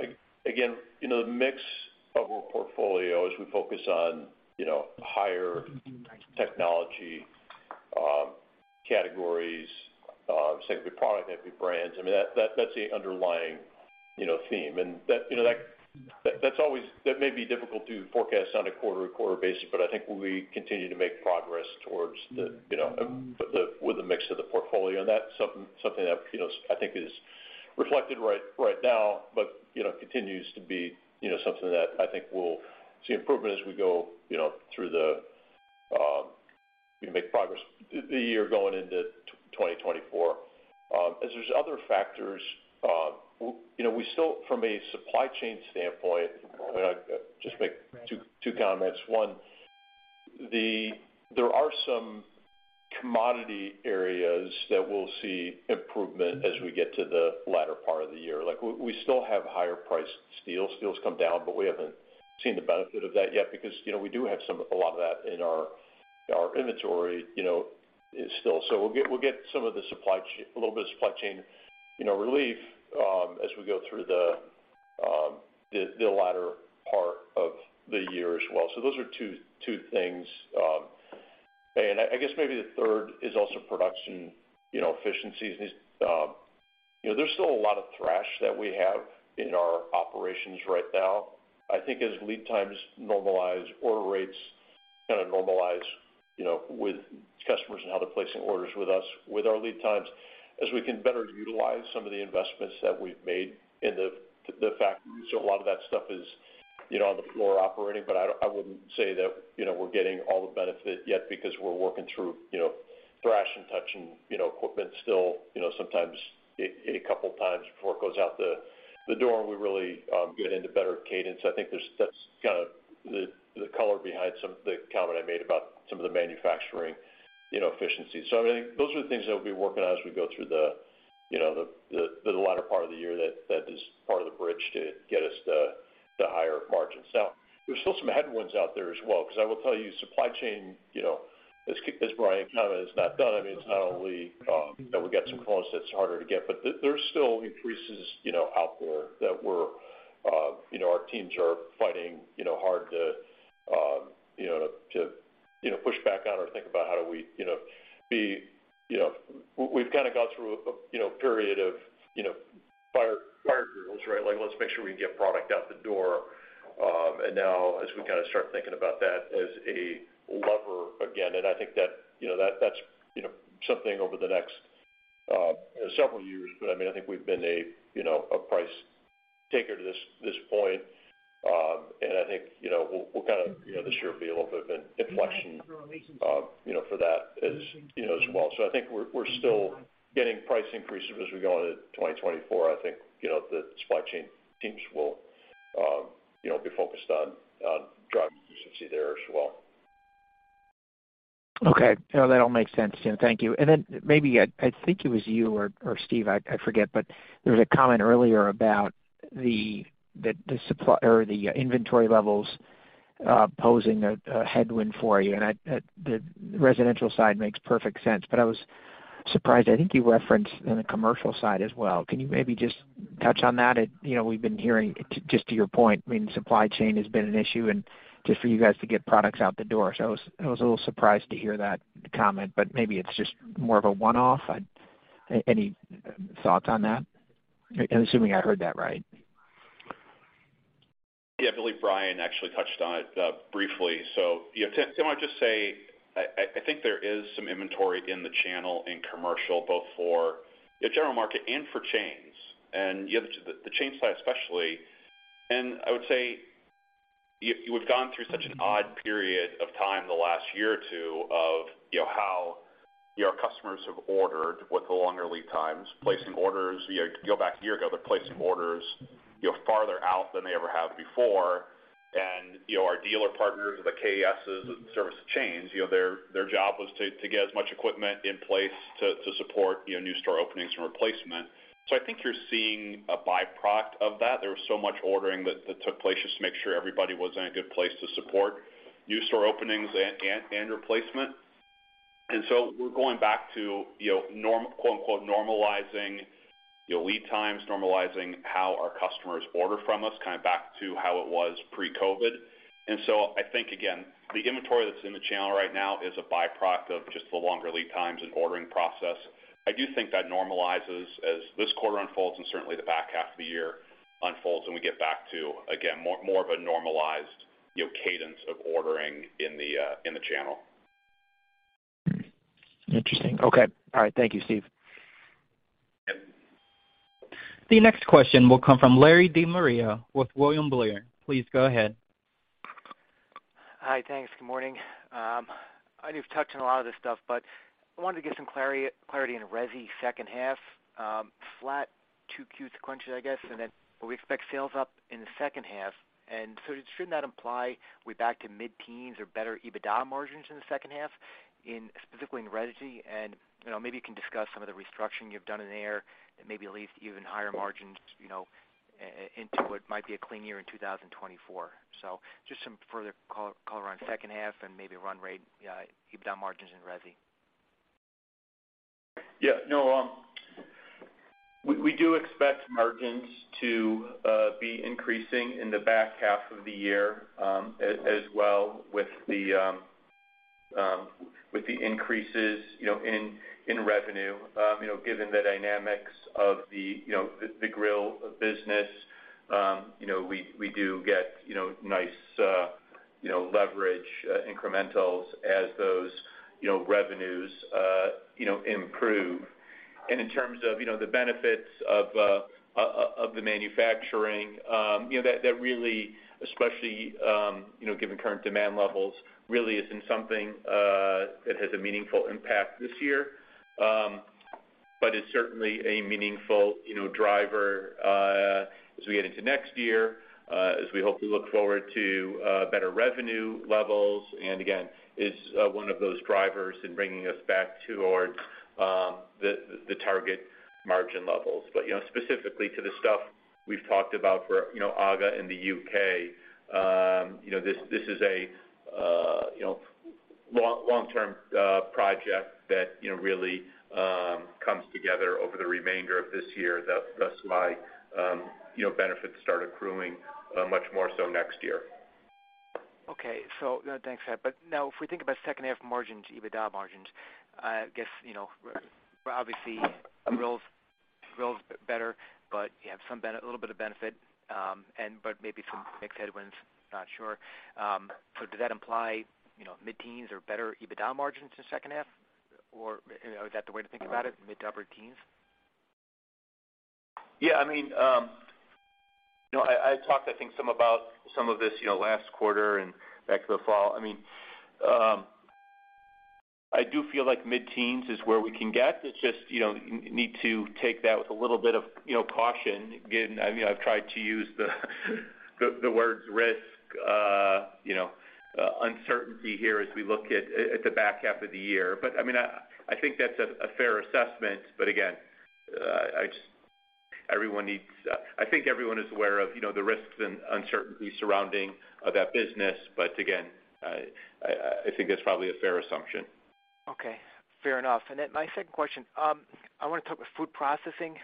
again, you know, the mix of our portfolio as we focus on, you know, higher technology, categories, say, good product, happy brands, I mean, that's the underlying, you know, theme. That, you know, that's always that may be difficult to forecast on a quarter-to-quarter basis, but I think we continue to make progress towards the, you know, with the mix of the portfolio. That's something that, you know, I think is reflected right now, but, you know, continues to be, you know, something that I think we'll see improvement as we go, you know, through the, you know, make progress the year going into 2024. As there's other factors, you know, we still from a supply chain standpoint, just make two comments. One, there are some commodity areas that we'll see improvement as we get to the latter part of the year. Like, we still have higher priced steel. Steel's come down, but we haven't seen the benefit of that yet because, you know, we do have a lot of that in our inventory, you know, is still. We'll get some of the supply chain -- a little bit of supply chain, you know, relief, as we go through the latter part of the year as well. Those are two things. I guess maybe the third is also production, you know, efficiencies. You know, there's still a lot of thrash that we have in our operations right now. I think as lead times normalize, order rates kind of normalize, you know, with customers and how they're placing orders with us, with our lead times, as we can better utilize some of the investments that we've made in the factories. A lot of that stuff is, you know, on the floor operating, but I wouldn't say that, you know, we're getting all the benefit yet because we're working through, you know, thrash and touch and, you know, equipment still, you know, sometimes a couple times before it goes out the door and we really get into better cadence. I think that's kind of the color behind some of the comment I made about some of the manufacturing, you know, efficiency. I think those are the things that we'll be working on as we go through the, you know, the latter part of the year that is part of the bridge to get us to higher margins. There's still some headwinds out there as well, 'cause I will tell you, supply chain, you know, as Bryan commented, is not done. I mean, it's not only that we got some components that's harder to get, but there's still increases, you know, out there that we're, you know, our teams are fighting, you know, hard to, you know, push back on or think about how do we, you know, be, you know... kind of gone through a, you know, period of, you know, fire drills, right? Like, let's make sure we can get product out the door. Now as we kind of start thinking about that as a lever again, and I think that, you know, that's, you know, something over the next, you know, several years. I mean, I think we've been a, you know, a price taker to this point. I think, you know, we'll kind of, you know, this year be a little bit of an inflection, you know, for that as, you know, as well. I think we're still getting price increases as we go into 2024. I think, you know, the supply chain teams will, you know, be focused on driving efficiency there as well. Okay. No, that all makes sense, Tim. Thank you. Maybe I think it was you or Steve, I forget, but there was a comment earlier about that the supply or the inventory levels posing a headwind for you. I, the Residential side makes perfect sense, but I was surprised, I think you referenced in the Commercial side as well. Can you maybe just touch on that? You know, we've been hearing to, just to your point, I mean, supply chain has been an issue and just for you guys to get products out the door. I was a little surprised to hear that comment, but maybe it's just more of a one-off. Any thoughts on that? Assuming I heard that right. I believe Bryan actually touched on it briefly. You know, Tim, I'll just say I think there is some inventory in the channel in Commercial, both for the general market and for chains. Yeah, the chain side especially, and I would say you have gone through such an odd period of time the last year or two of, you know, how your customers have ordered with the longer lead times, placing orders, you know, go back a year ago, they're placing orders, you know, farther out than they ever have before. You know, our dealer partners or the KSOs and service chains, you know, their job was to get as much equipment in place to support, you know, new store openings and replacement. I think you're seeing a byproduct of that. There was so much ordering that took place just to make sure everybody was in a good place to support new store openings and replacement. We're going back to, you know, quote-unquote, normalizing, you know, lead times, normalizing how our customers order from us, kind of back to how it was pre-COVID. I think, again, the inventory that's in the channel right now is a byproduct of just the longer lead times and ordering process. I do think that normalizes as this quarter unfolds and certainly the back half of the year unfolds and we get back to, again, more of a normalized, you know, cadence of ordering in the channel. Interesting. Okay. All right. Thank you, Steve. The next question will come from Larry De Maria with William Blair. Please go ahead. Hi, thanks. Good morning. I know you've touched on a lot of this stuff, but I wanted to get some clarity on Resi second half, flat 2Q sequential, I guess. Then we expect sales up in the second half, shouldn't that imply we're back to mid-teens or better EBITDA margins in the second half in, specifically in Resi? You know, maybe you can discuss some of the restructuring you've done in there that maybe leads to even higher margins, you know, into what might be a clean year in 2024. Just some further color on second half and maybe run rate EBITDA margins in Resi. Yeah, no, we do expect margins to be increasing in the back half of the year, as well with the increases, you know, in revenue. You know, given the dynamics of the, you know, the grill business, you know, we do get, you know, nice, you know, leverage, incrementals as those, you know, revenues, you know, improve. In terms of, you know, the benefits of the manufacturing, you know, that really especially, you know, given current demand levels, really isn't something that has a meaningful impact this year. It's certainly a meaningful, you know, driver, as we get into next year, as we hope to look forward to, better revenue levels, and again, is one of those drivers in bringing us back towards the target margin levels. You know, specifically to the stuff we've talked about for, you know, AGA in the U.K., this is a, you know, long-term project that, you know, really comes together over the remainder of this year. Thus my, you know, benefits start accruing much more so next year. Thanks for that. If we think about second half margins, EBITDA margins, I guess, you know, obviously grill's better, but you have some a little bit of benefit, and but maybe some mixed headwinds, not sure. Does that imply, you know, mid-teens or better EBITDA margins in the second half? Or is that the way to think about it, mid to upper teens? Yeah, I mean, you know, I talked, I think, some about some of this, you know, last quarter and back to the fall. I mean, I do feel like mid-teens is where we can get. It's just, you know, you need to take that with a little bit of, you know, caution. Again, I mean, I've tried to use the words risk, you know, uncertainty here as we look at the back half of the year. I mean, I think that's a fair assessment. Again, I just, everyone needs, I think everyone is aware of, you know, the risks and uncertainty surrounding that business. Again, I think that's probably a fair assumption. Okay, fair enough. My second question, I want to talk about Food Processing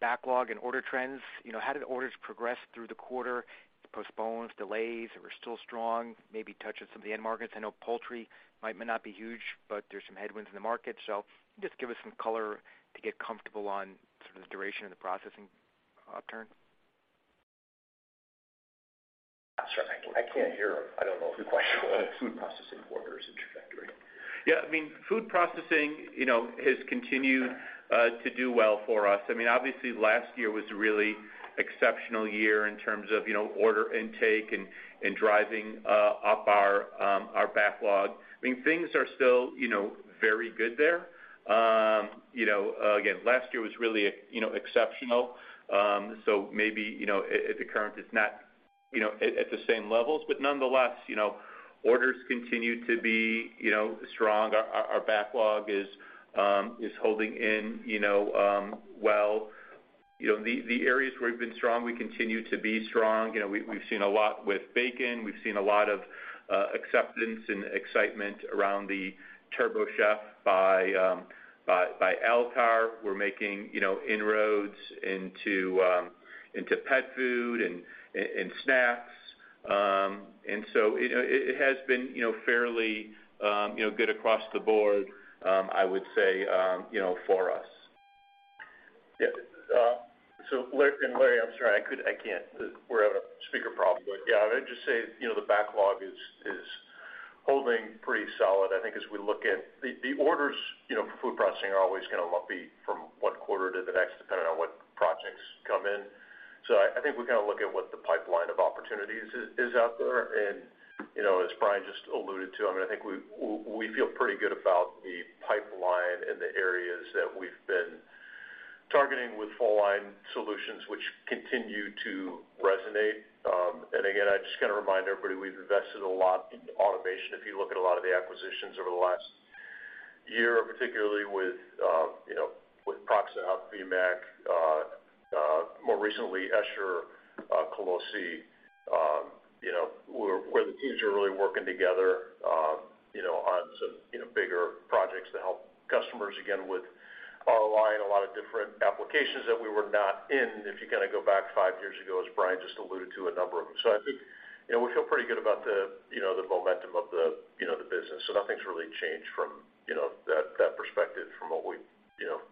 backlog and order trends. You know, how did orders progress through the quarter? Postpones, delays, or were still strong, maybe touch on some of the end markets. I know poultry might not be huge, but there's some headwinds in the market. Just give us some color to get comfortable on sort of the duration of the processing upturn. Sorry, I can't hear. I don't know the question. Food Processing orders and trajectory. Yeah, I mean, Food Processing, you know, has continued to do well for us. I mean, obviously last year was a really exceptional year in terms of, you know, order intake and driving up our backlog. I mean, things are still, you know, very good there. You know, again, last year was really, you know, exceptional. Maybe, you know, at the current is not, you know, at the same levels. Nonetheless, you know, orders continue to be, you know, strong. Our backlog is holding in, you know, well. You know, the areas where we've been strong, we continue to be strong. You know, we've seen a lot with bacon. We've seen a lot of acceptance and excitement around the TurboChef by Alkar. We're making, you know, inroads into pet food and snacks. You know, it has been, you know, fairly, you know, good across the board, I would say, you know, for us. Yeah. Larry, I'm sorry, I can't. We're having a speaker problem. Yeah, I'd just say, you know, the backlog is holding pretty solid. I think as we look at the orders, you know, for Food Processing are always gonna lumpy from one quarter to the next, depending on what projects come in. I think we kind of look at what the pipeline of opportunities is out there. You know, as Bryan just alluded to, I mean, I think we feel pretty good about the pipeline and the areas that we've been targeting with full line solutions, which continue to resonate. Again, I just kind of remind everybody, we've invested a lot in automation. If you look at a lot of the acquisitions over the last year, particularly with, you know, with ProxiHub, Vmac, more recently Escher, Colussi, you know, where the teams are really working together, you know, on some, you know, bigger projects to help customers, again, with our line, a lot of different applications that we were not in, if you kind of go back five years ago, as Bryan just alluded to, a number of them. I think, you know, we feel pretty good about the, you know, the momentum of the, you know, the business. Nothing's really changed from, you know, that perspective from what we, you know,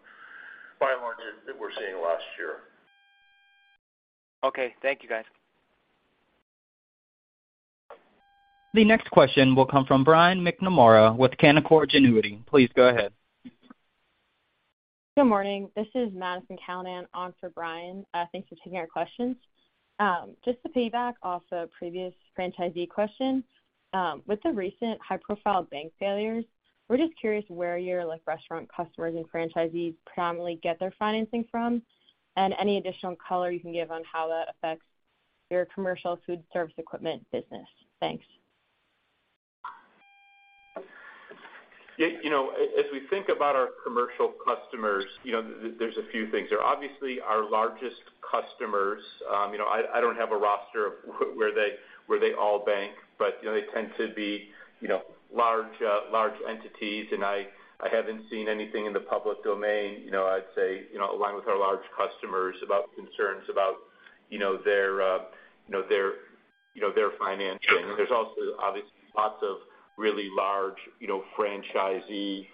by and large that we're seeing last year. Okay. Thank you, guys. The next question will come from Brian McNamara with Canaccord Genuity. Please go ahead. Good morning. This is Madison Callinan on for Brian. Thanks for taking our questions. Just to piggyback off a previous franchisee question, with the recent high-profile bank failures, we're just curious where your, like, restaurant customers and franchisees predominantly get their financing from, and any additional color you can give on how that affects your Commercial Food Service Equipment business. Thanks. You know, as we think about our Commercial customers, you know, there's a few things. They're obviously our largest customers. You know, I don't have a roster of where they, where they all bank, but, you know, they tend to be, you know, large entities. I haven't seen anything in the public domain, you know, I'd say, you know, align with our large customers about concerns about, you know, their, you know, their, you know, their financing. There's also obviously lots of really large, you know, franchisee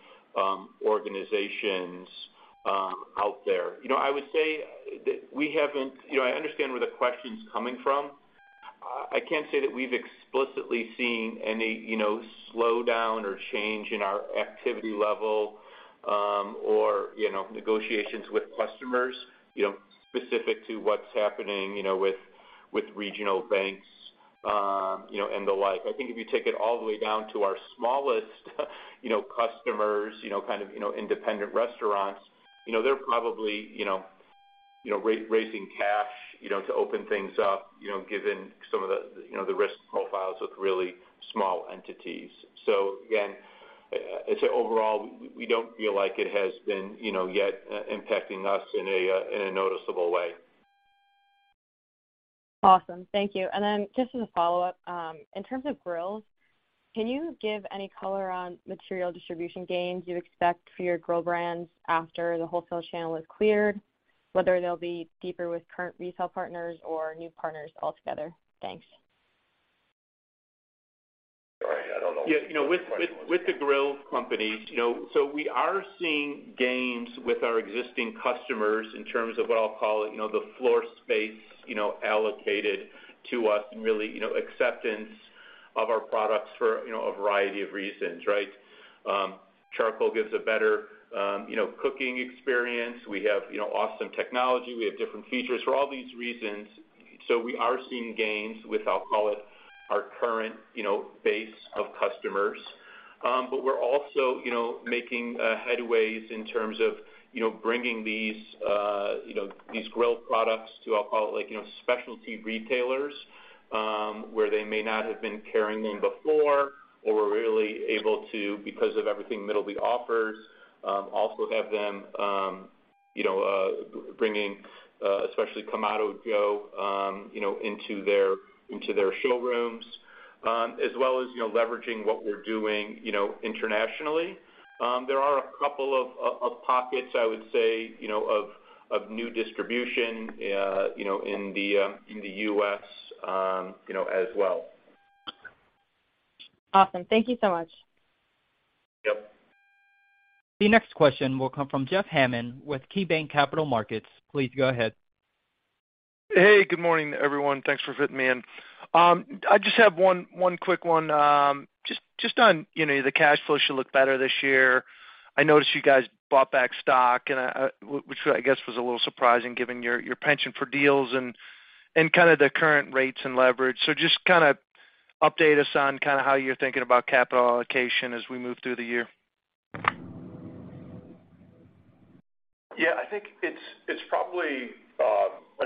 organizations out there. You know, I would say that we haven't. You know, I understand where the question's coming from. I can't say that we've explicitly seen any, you know, slowdown or change in our activity level, or, you know, negotiations with customers, you know, specific to what's happening, you know, with regional banks, you know, and the like. I think if you take it all the way down to our smallest, you know, customers, you know, kind of, you know, independent restaurants, you know, they're probably, you know, you know, raising cash, you know, to open things up, you know, given some of the, you know, the risk profiles with really small entities. Again, I'd say overall we don't feel like it has been, you know, yet, impacting us in a noticeable way. Awesome. Thank you. Just as a follow-up, in terms of grills, can you give any color on material distribution gains you expect for your grill brands after the wholesale channel is cleared, whether they'll be deeper with current retail partners or new partners altogether? Thanks. Sorry, I don't know. Yeah. You know, with the grill companies, you know, we are seeing gains with our existing customers in terms of what I'll call, you know, the floor space, you know, allocated to us and really, you know, acceptance of our products for, you know, a variety of reasons, right? Charcoal gives a better, you know, cooking experience. We have, you know, awesome technology. We have different features for all these reasons. We are seeing gains with, I'll call it, our current, you know, base of customers. We're also, you know, making headways in terms of, you know, bringing these, you know, these grill products to, I'll call it, like, you know, specialty retailers, where they may not have been carrying them before or were really able to because of everything Middleby offers, also have them, you know, bringing especially Kamado Joe, you know, into their showrooms, as well as, you know, leveraging what we're doing, you know, internationally. There are a couple of pockets I would say, you know, of new distribution, you know, in the U.S., as well. Awesome. Thank you so much. Yep. The next question will come from Jeff Hammond with KeyBanc Capital Markets. Please go ahead. Hey, good morning, everyone. Thanks for fitting me in. I just have one quick one, just on, you know, the cash flow should look better this year. I noticed you guys bought back stock and, which I guess was a little surprising given your penchant for deals and kind of the current rates and leverage. Just kinda update us on kinda how you're thinking about capital allocation as we move through the year. Yeah, I think it's probably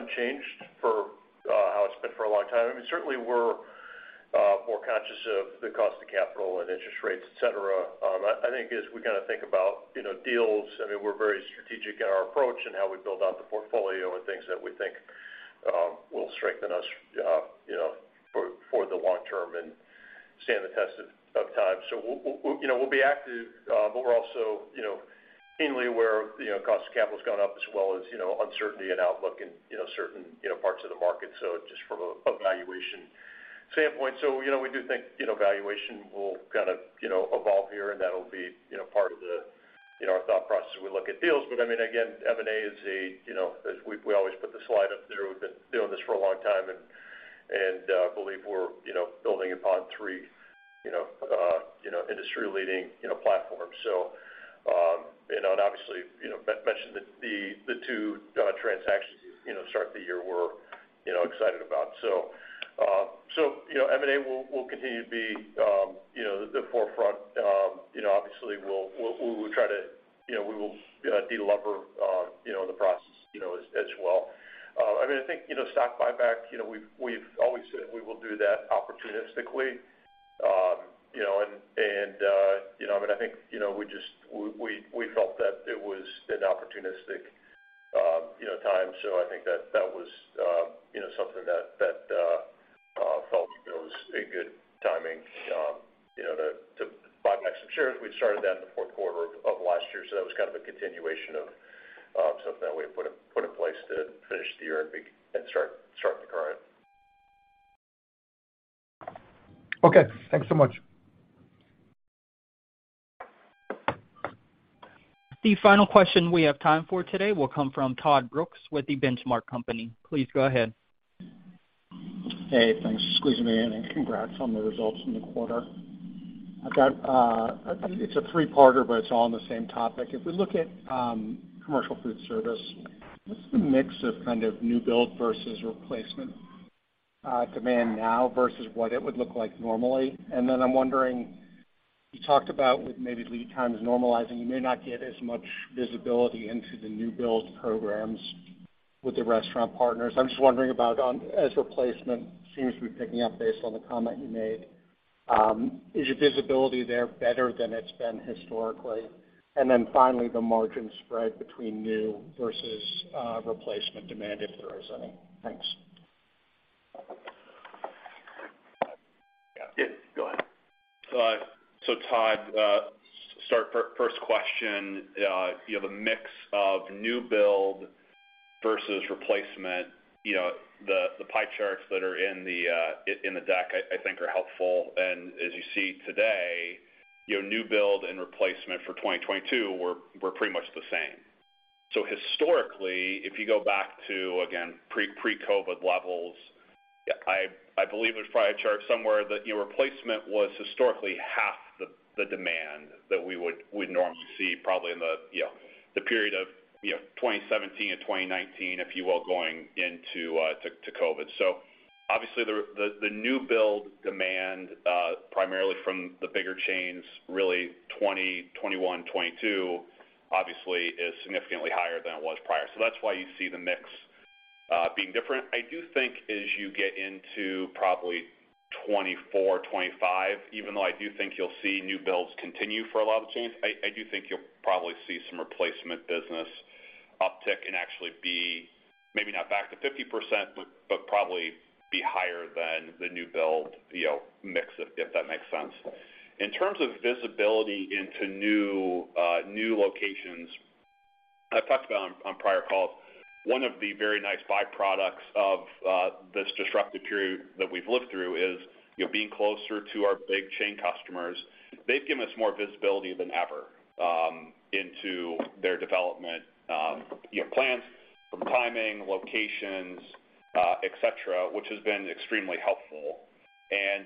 unchanged for how it's been for a long time. I mean, certainly we're more conscious of the cost of capital and interest rates, et cetera. I think as we kinda think about, you know, deals, I mean, we're very strategic in our approach and how we build out the portfolio and things that we think will strengthen us, you know, for the long term and stand the test of time. We'll, you know, we'll be active, but we're also, you know, keenly aware of, you know, cost of capital's gone up as well as, you know, uncertainty and outlook in, you know, certain, you know, parts of the market. Just from a valuation standpoint. You know, we do think, you know, valuation will kind of, you know, evolve here, and that'll be, you know, part of the, you know, our thought process as we look at deals. I mean, again, M&A is a, you know, as we always put the slide up there. We've been doing this for a long time and believe we're, you know, building upon three, you know, industry leading, you know, platforms. Obviously, you know, mentioned the two transactions, you know, start of the year we're, you know, excited about. You know, M&A will continue to be, you know, the forefront. You know, obviously we'll try to, you know, we will de-lever, you know, the process, you know, as well. I mean, I think, you know, stock buyback, you know, we've always said we will do that opportunistically. You know, I mean, I think, you know, we felt that it was an opportunistic, you know, time. I think that that was, you know, something that felt, you know, was a good timing, you know, to buy back some shares. We started that in the fourth quarter of last year, so that was kind of a continuation of something that we put in place to finish the year and start the current. Okay, thanks so much. The final question we have time for today will come from Todd Brooks with The Benchmark Company. Please go ahead. Hey, thanks for squeezing me in. Congrats on the results in the quarter. I've got it's a three-parter, but it's all on the same topic. If we look at Commercial Foodservice, what's the mix of kind of new build versus replacement demand now versus what it would look like normally? I'm wondering, you talked about with maybe lead times normalizing, you may not get as much visibility into the new build programs with the restaurant partners. I'm just wondering about on as replacement seems to be picking up based on the comment you made, is your visibility there better than it's been historically? Finally, the margin spread between new versus replacement demand, if there is any. Thanks. Yeah, go ahead. Todd, first question, you have a mix of new build versus replacement. You know, the pie charts that are in the deck I think are helpful. As you see today, you know, new build and replacement for 2022 were pretty much the same. Historically, if you go back to, again, pre-COVID levels, I believe there's probably a chart somewhere that, you know, replacement was historically half the demand that we'd normally see probably in the, you know, the period of, you know, 2017 to 2019, if you will, going into COVID. Obviously the new build demand, primarily from the bigger chains, really 2021, 2022, obviously is significantly higher than it was prior. That's why you see the mix being different. I do think as you get into probably 2024, 2025, even though I do think you'll see new builds continue for a lot of the chains, I do think you'll probably see some replacement business uptick and actually be maybe not back to 50%, but probably be higher than the new build, you know, mix, if that makes sense. In terms of visibility into new locations, I've talked about on prior calls, one of the very nice byproducts of this disruptive period that we've lived through is, you know, being closer to our big chain customers. They've given us more visibility than ever into their development, you know, plans from timing, locations, et cetera, which has been extremely helpful.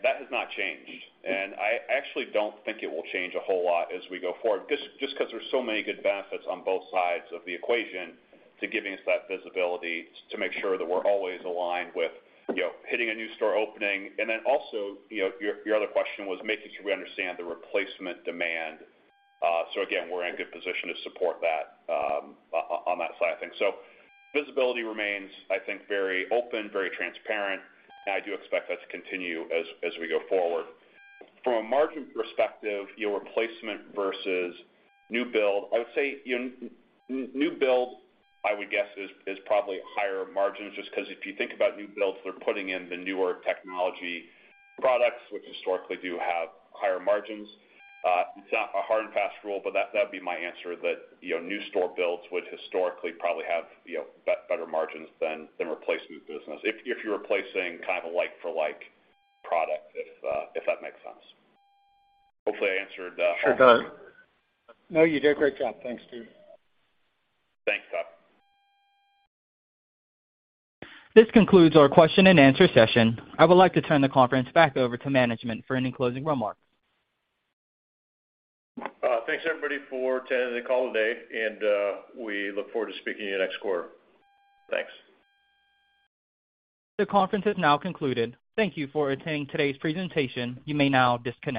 That has not changed. I actually don't think it will change a whole lot as we go forward, just 'cause there's so many good benefits on both sides of the equation to giving us that visibility to make sure that we're always aligned with, you know, hitting a new store opening. Also, you know, your other question was making sure we understand the replacement demand. Again, we're in a good position to support that on that side of things. Visibility remains, I think, very open, very transparent, and I do expect that to continue as we go forward. From a margin perspective, you know, replacement versus new build, I would say, you know, new build, I would guess is probably higher margins, just 'cause if you think about new builds, they're putting in the newer technology products which historically do have higher margins. It's not a hard and fast rule, but that'd be my answer that, you know, new store builds would historically probably have, you know, better margins than replacement business if you're replacing kind of a like for like product, if that makes sense. Hopefully, I answered all. Sure does. No, you did a great job. Thanks, Steve. Thanks, Todd. This concludes our question-and-answer session. I would like to turn the conference back over to management for any closing remarks. Thanks everybody for attending the call today, and we look forward to speaking to you next quarter. Thanks. The conference has now concluded. Thank you for attending today's presentation. You may now disconnect.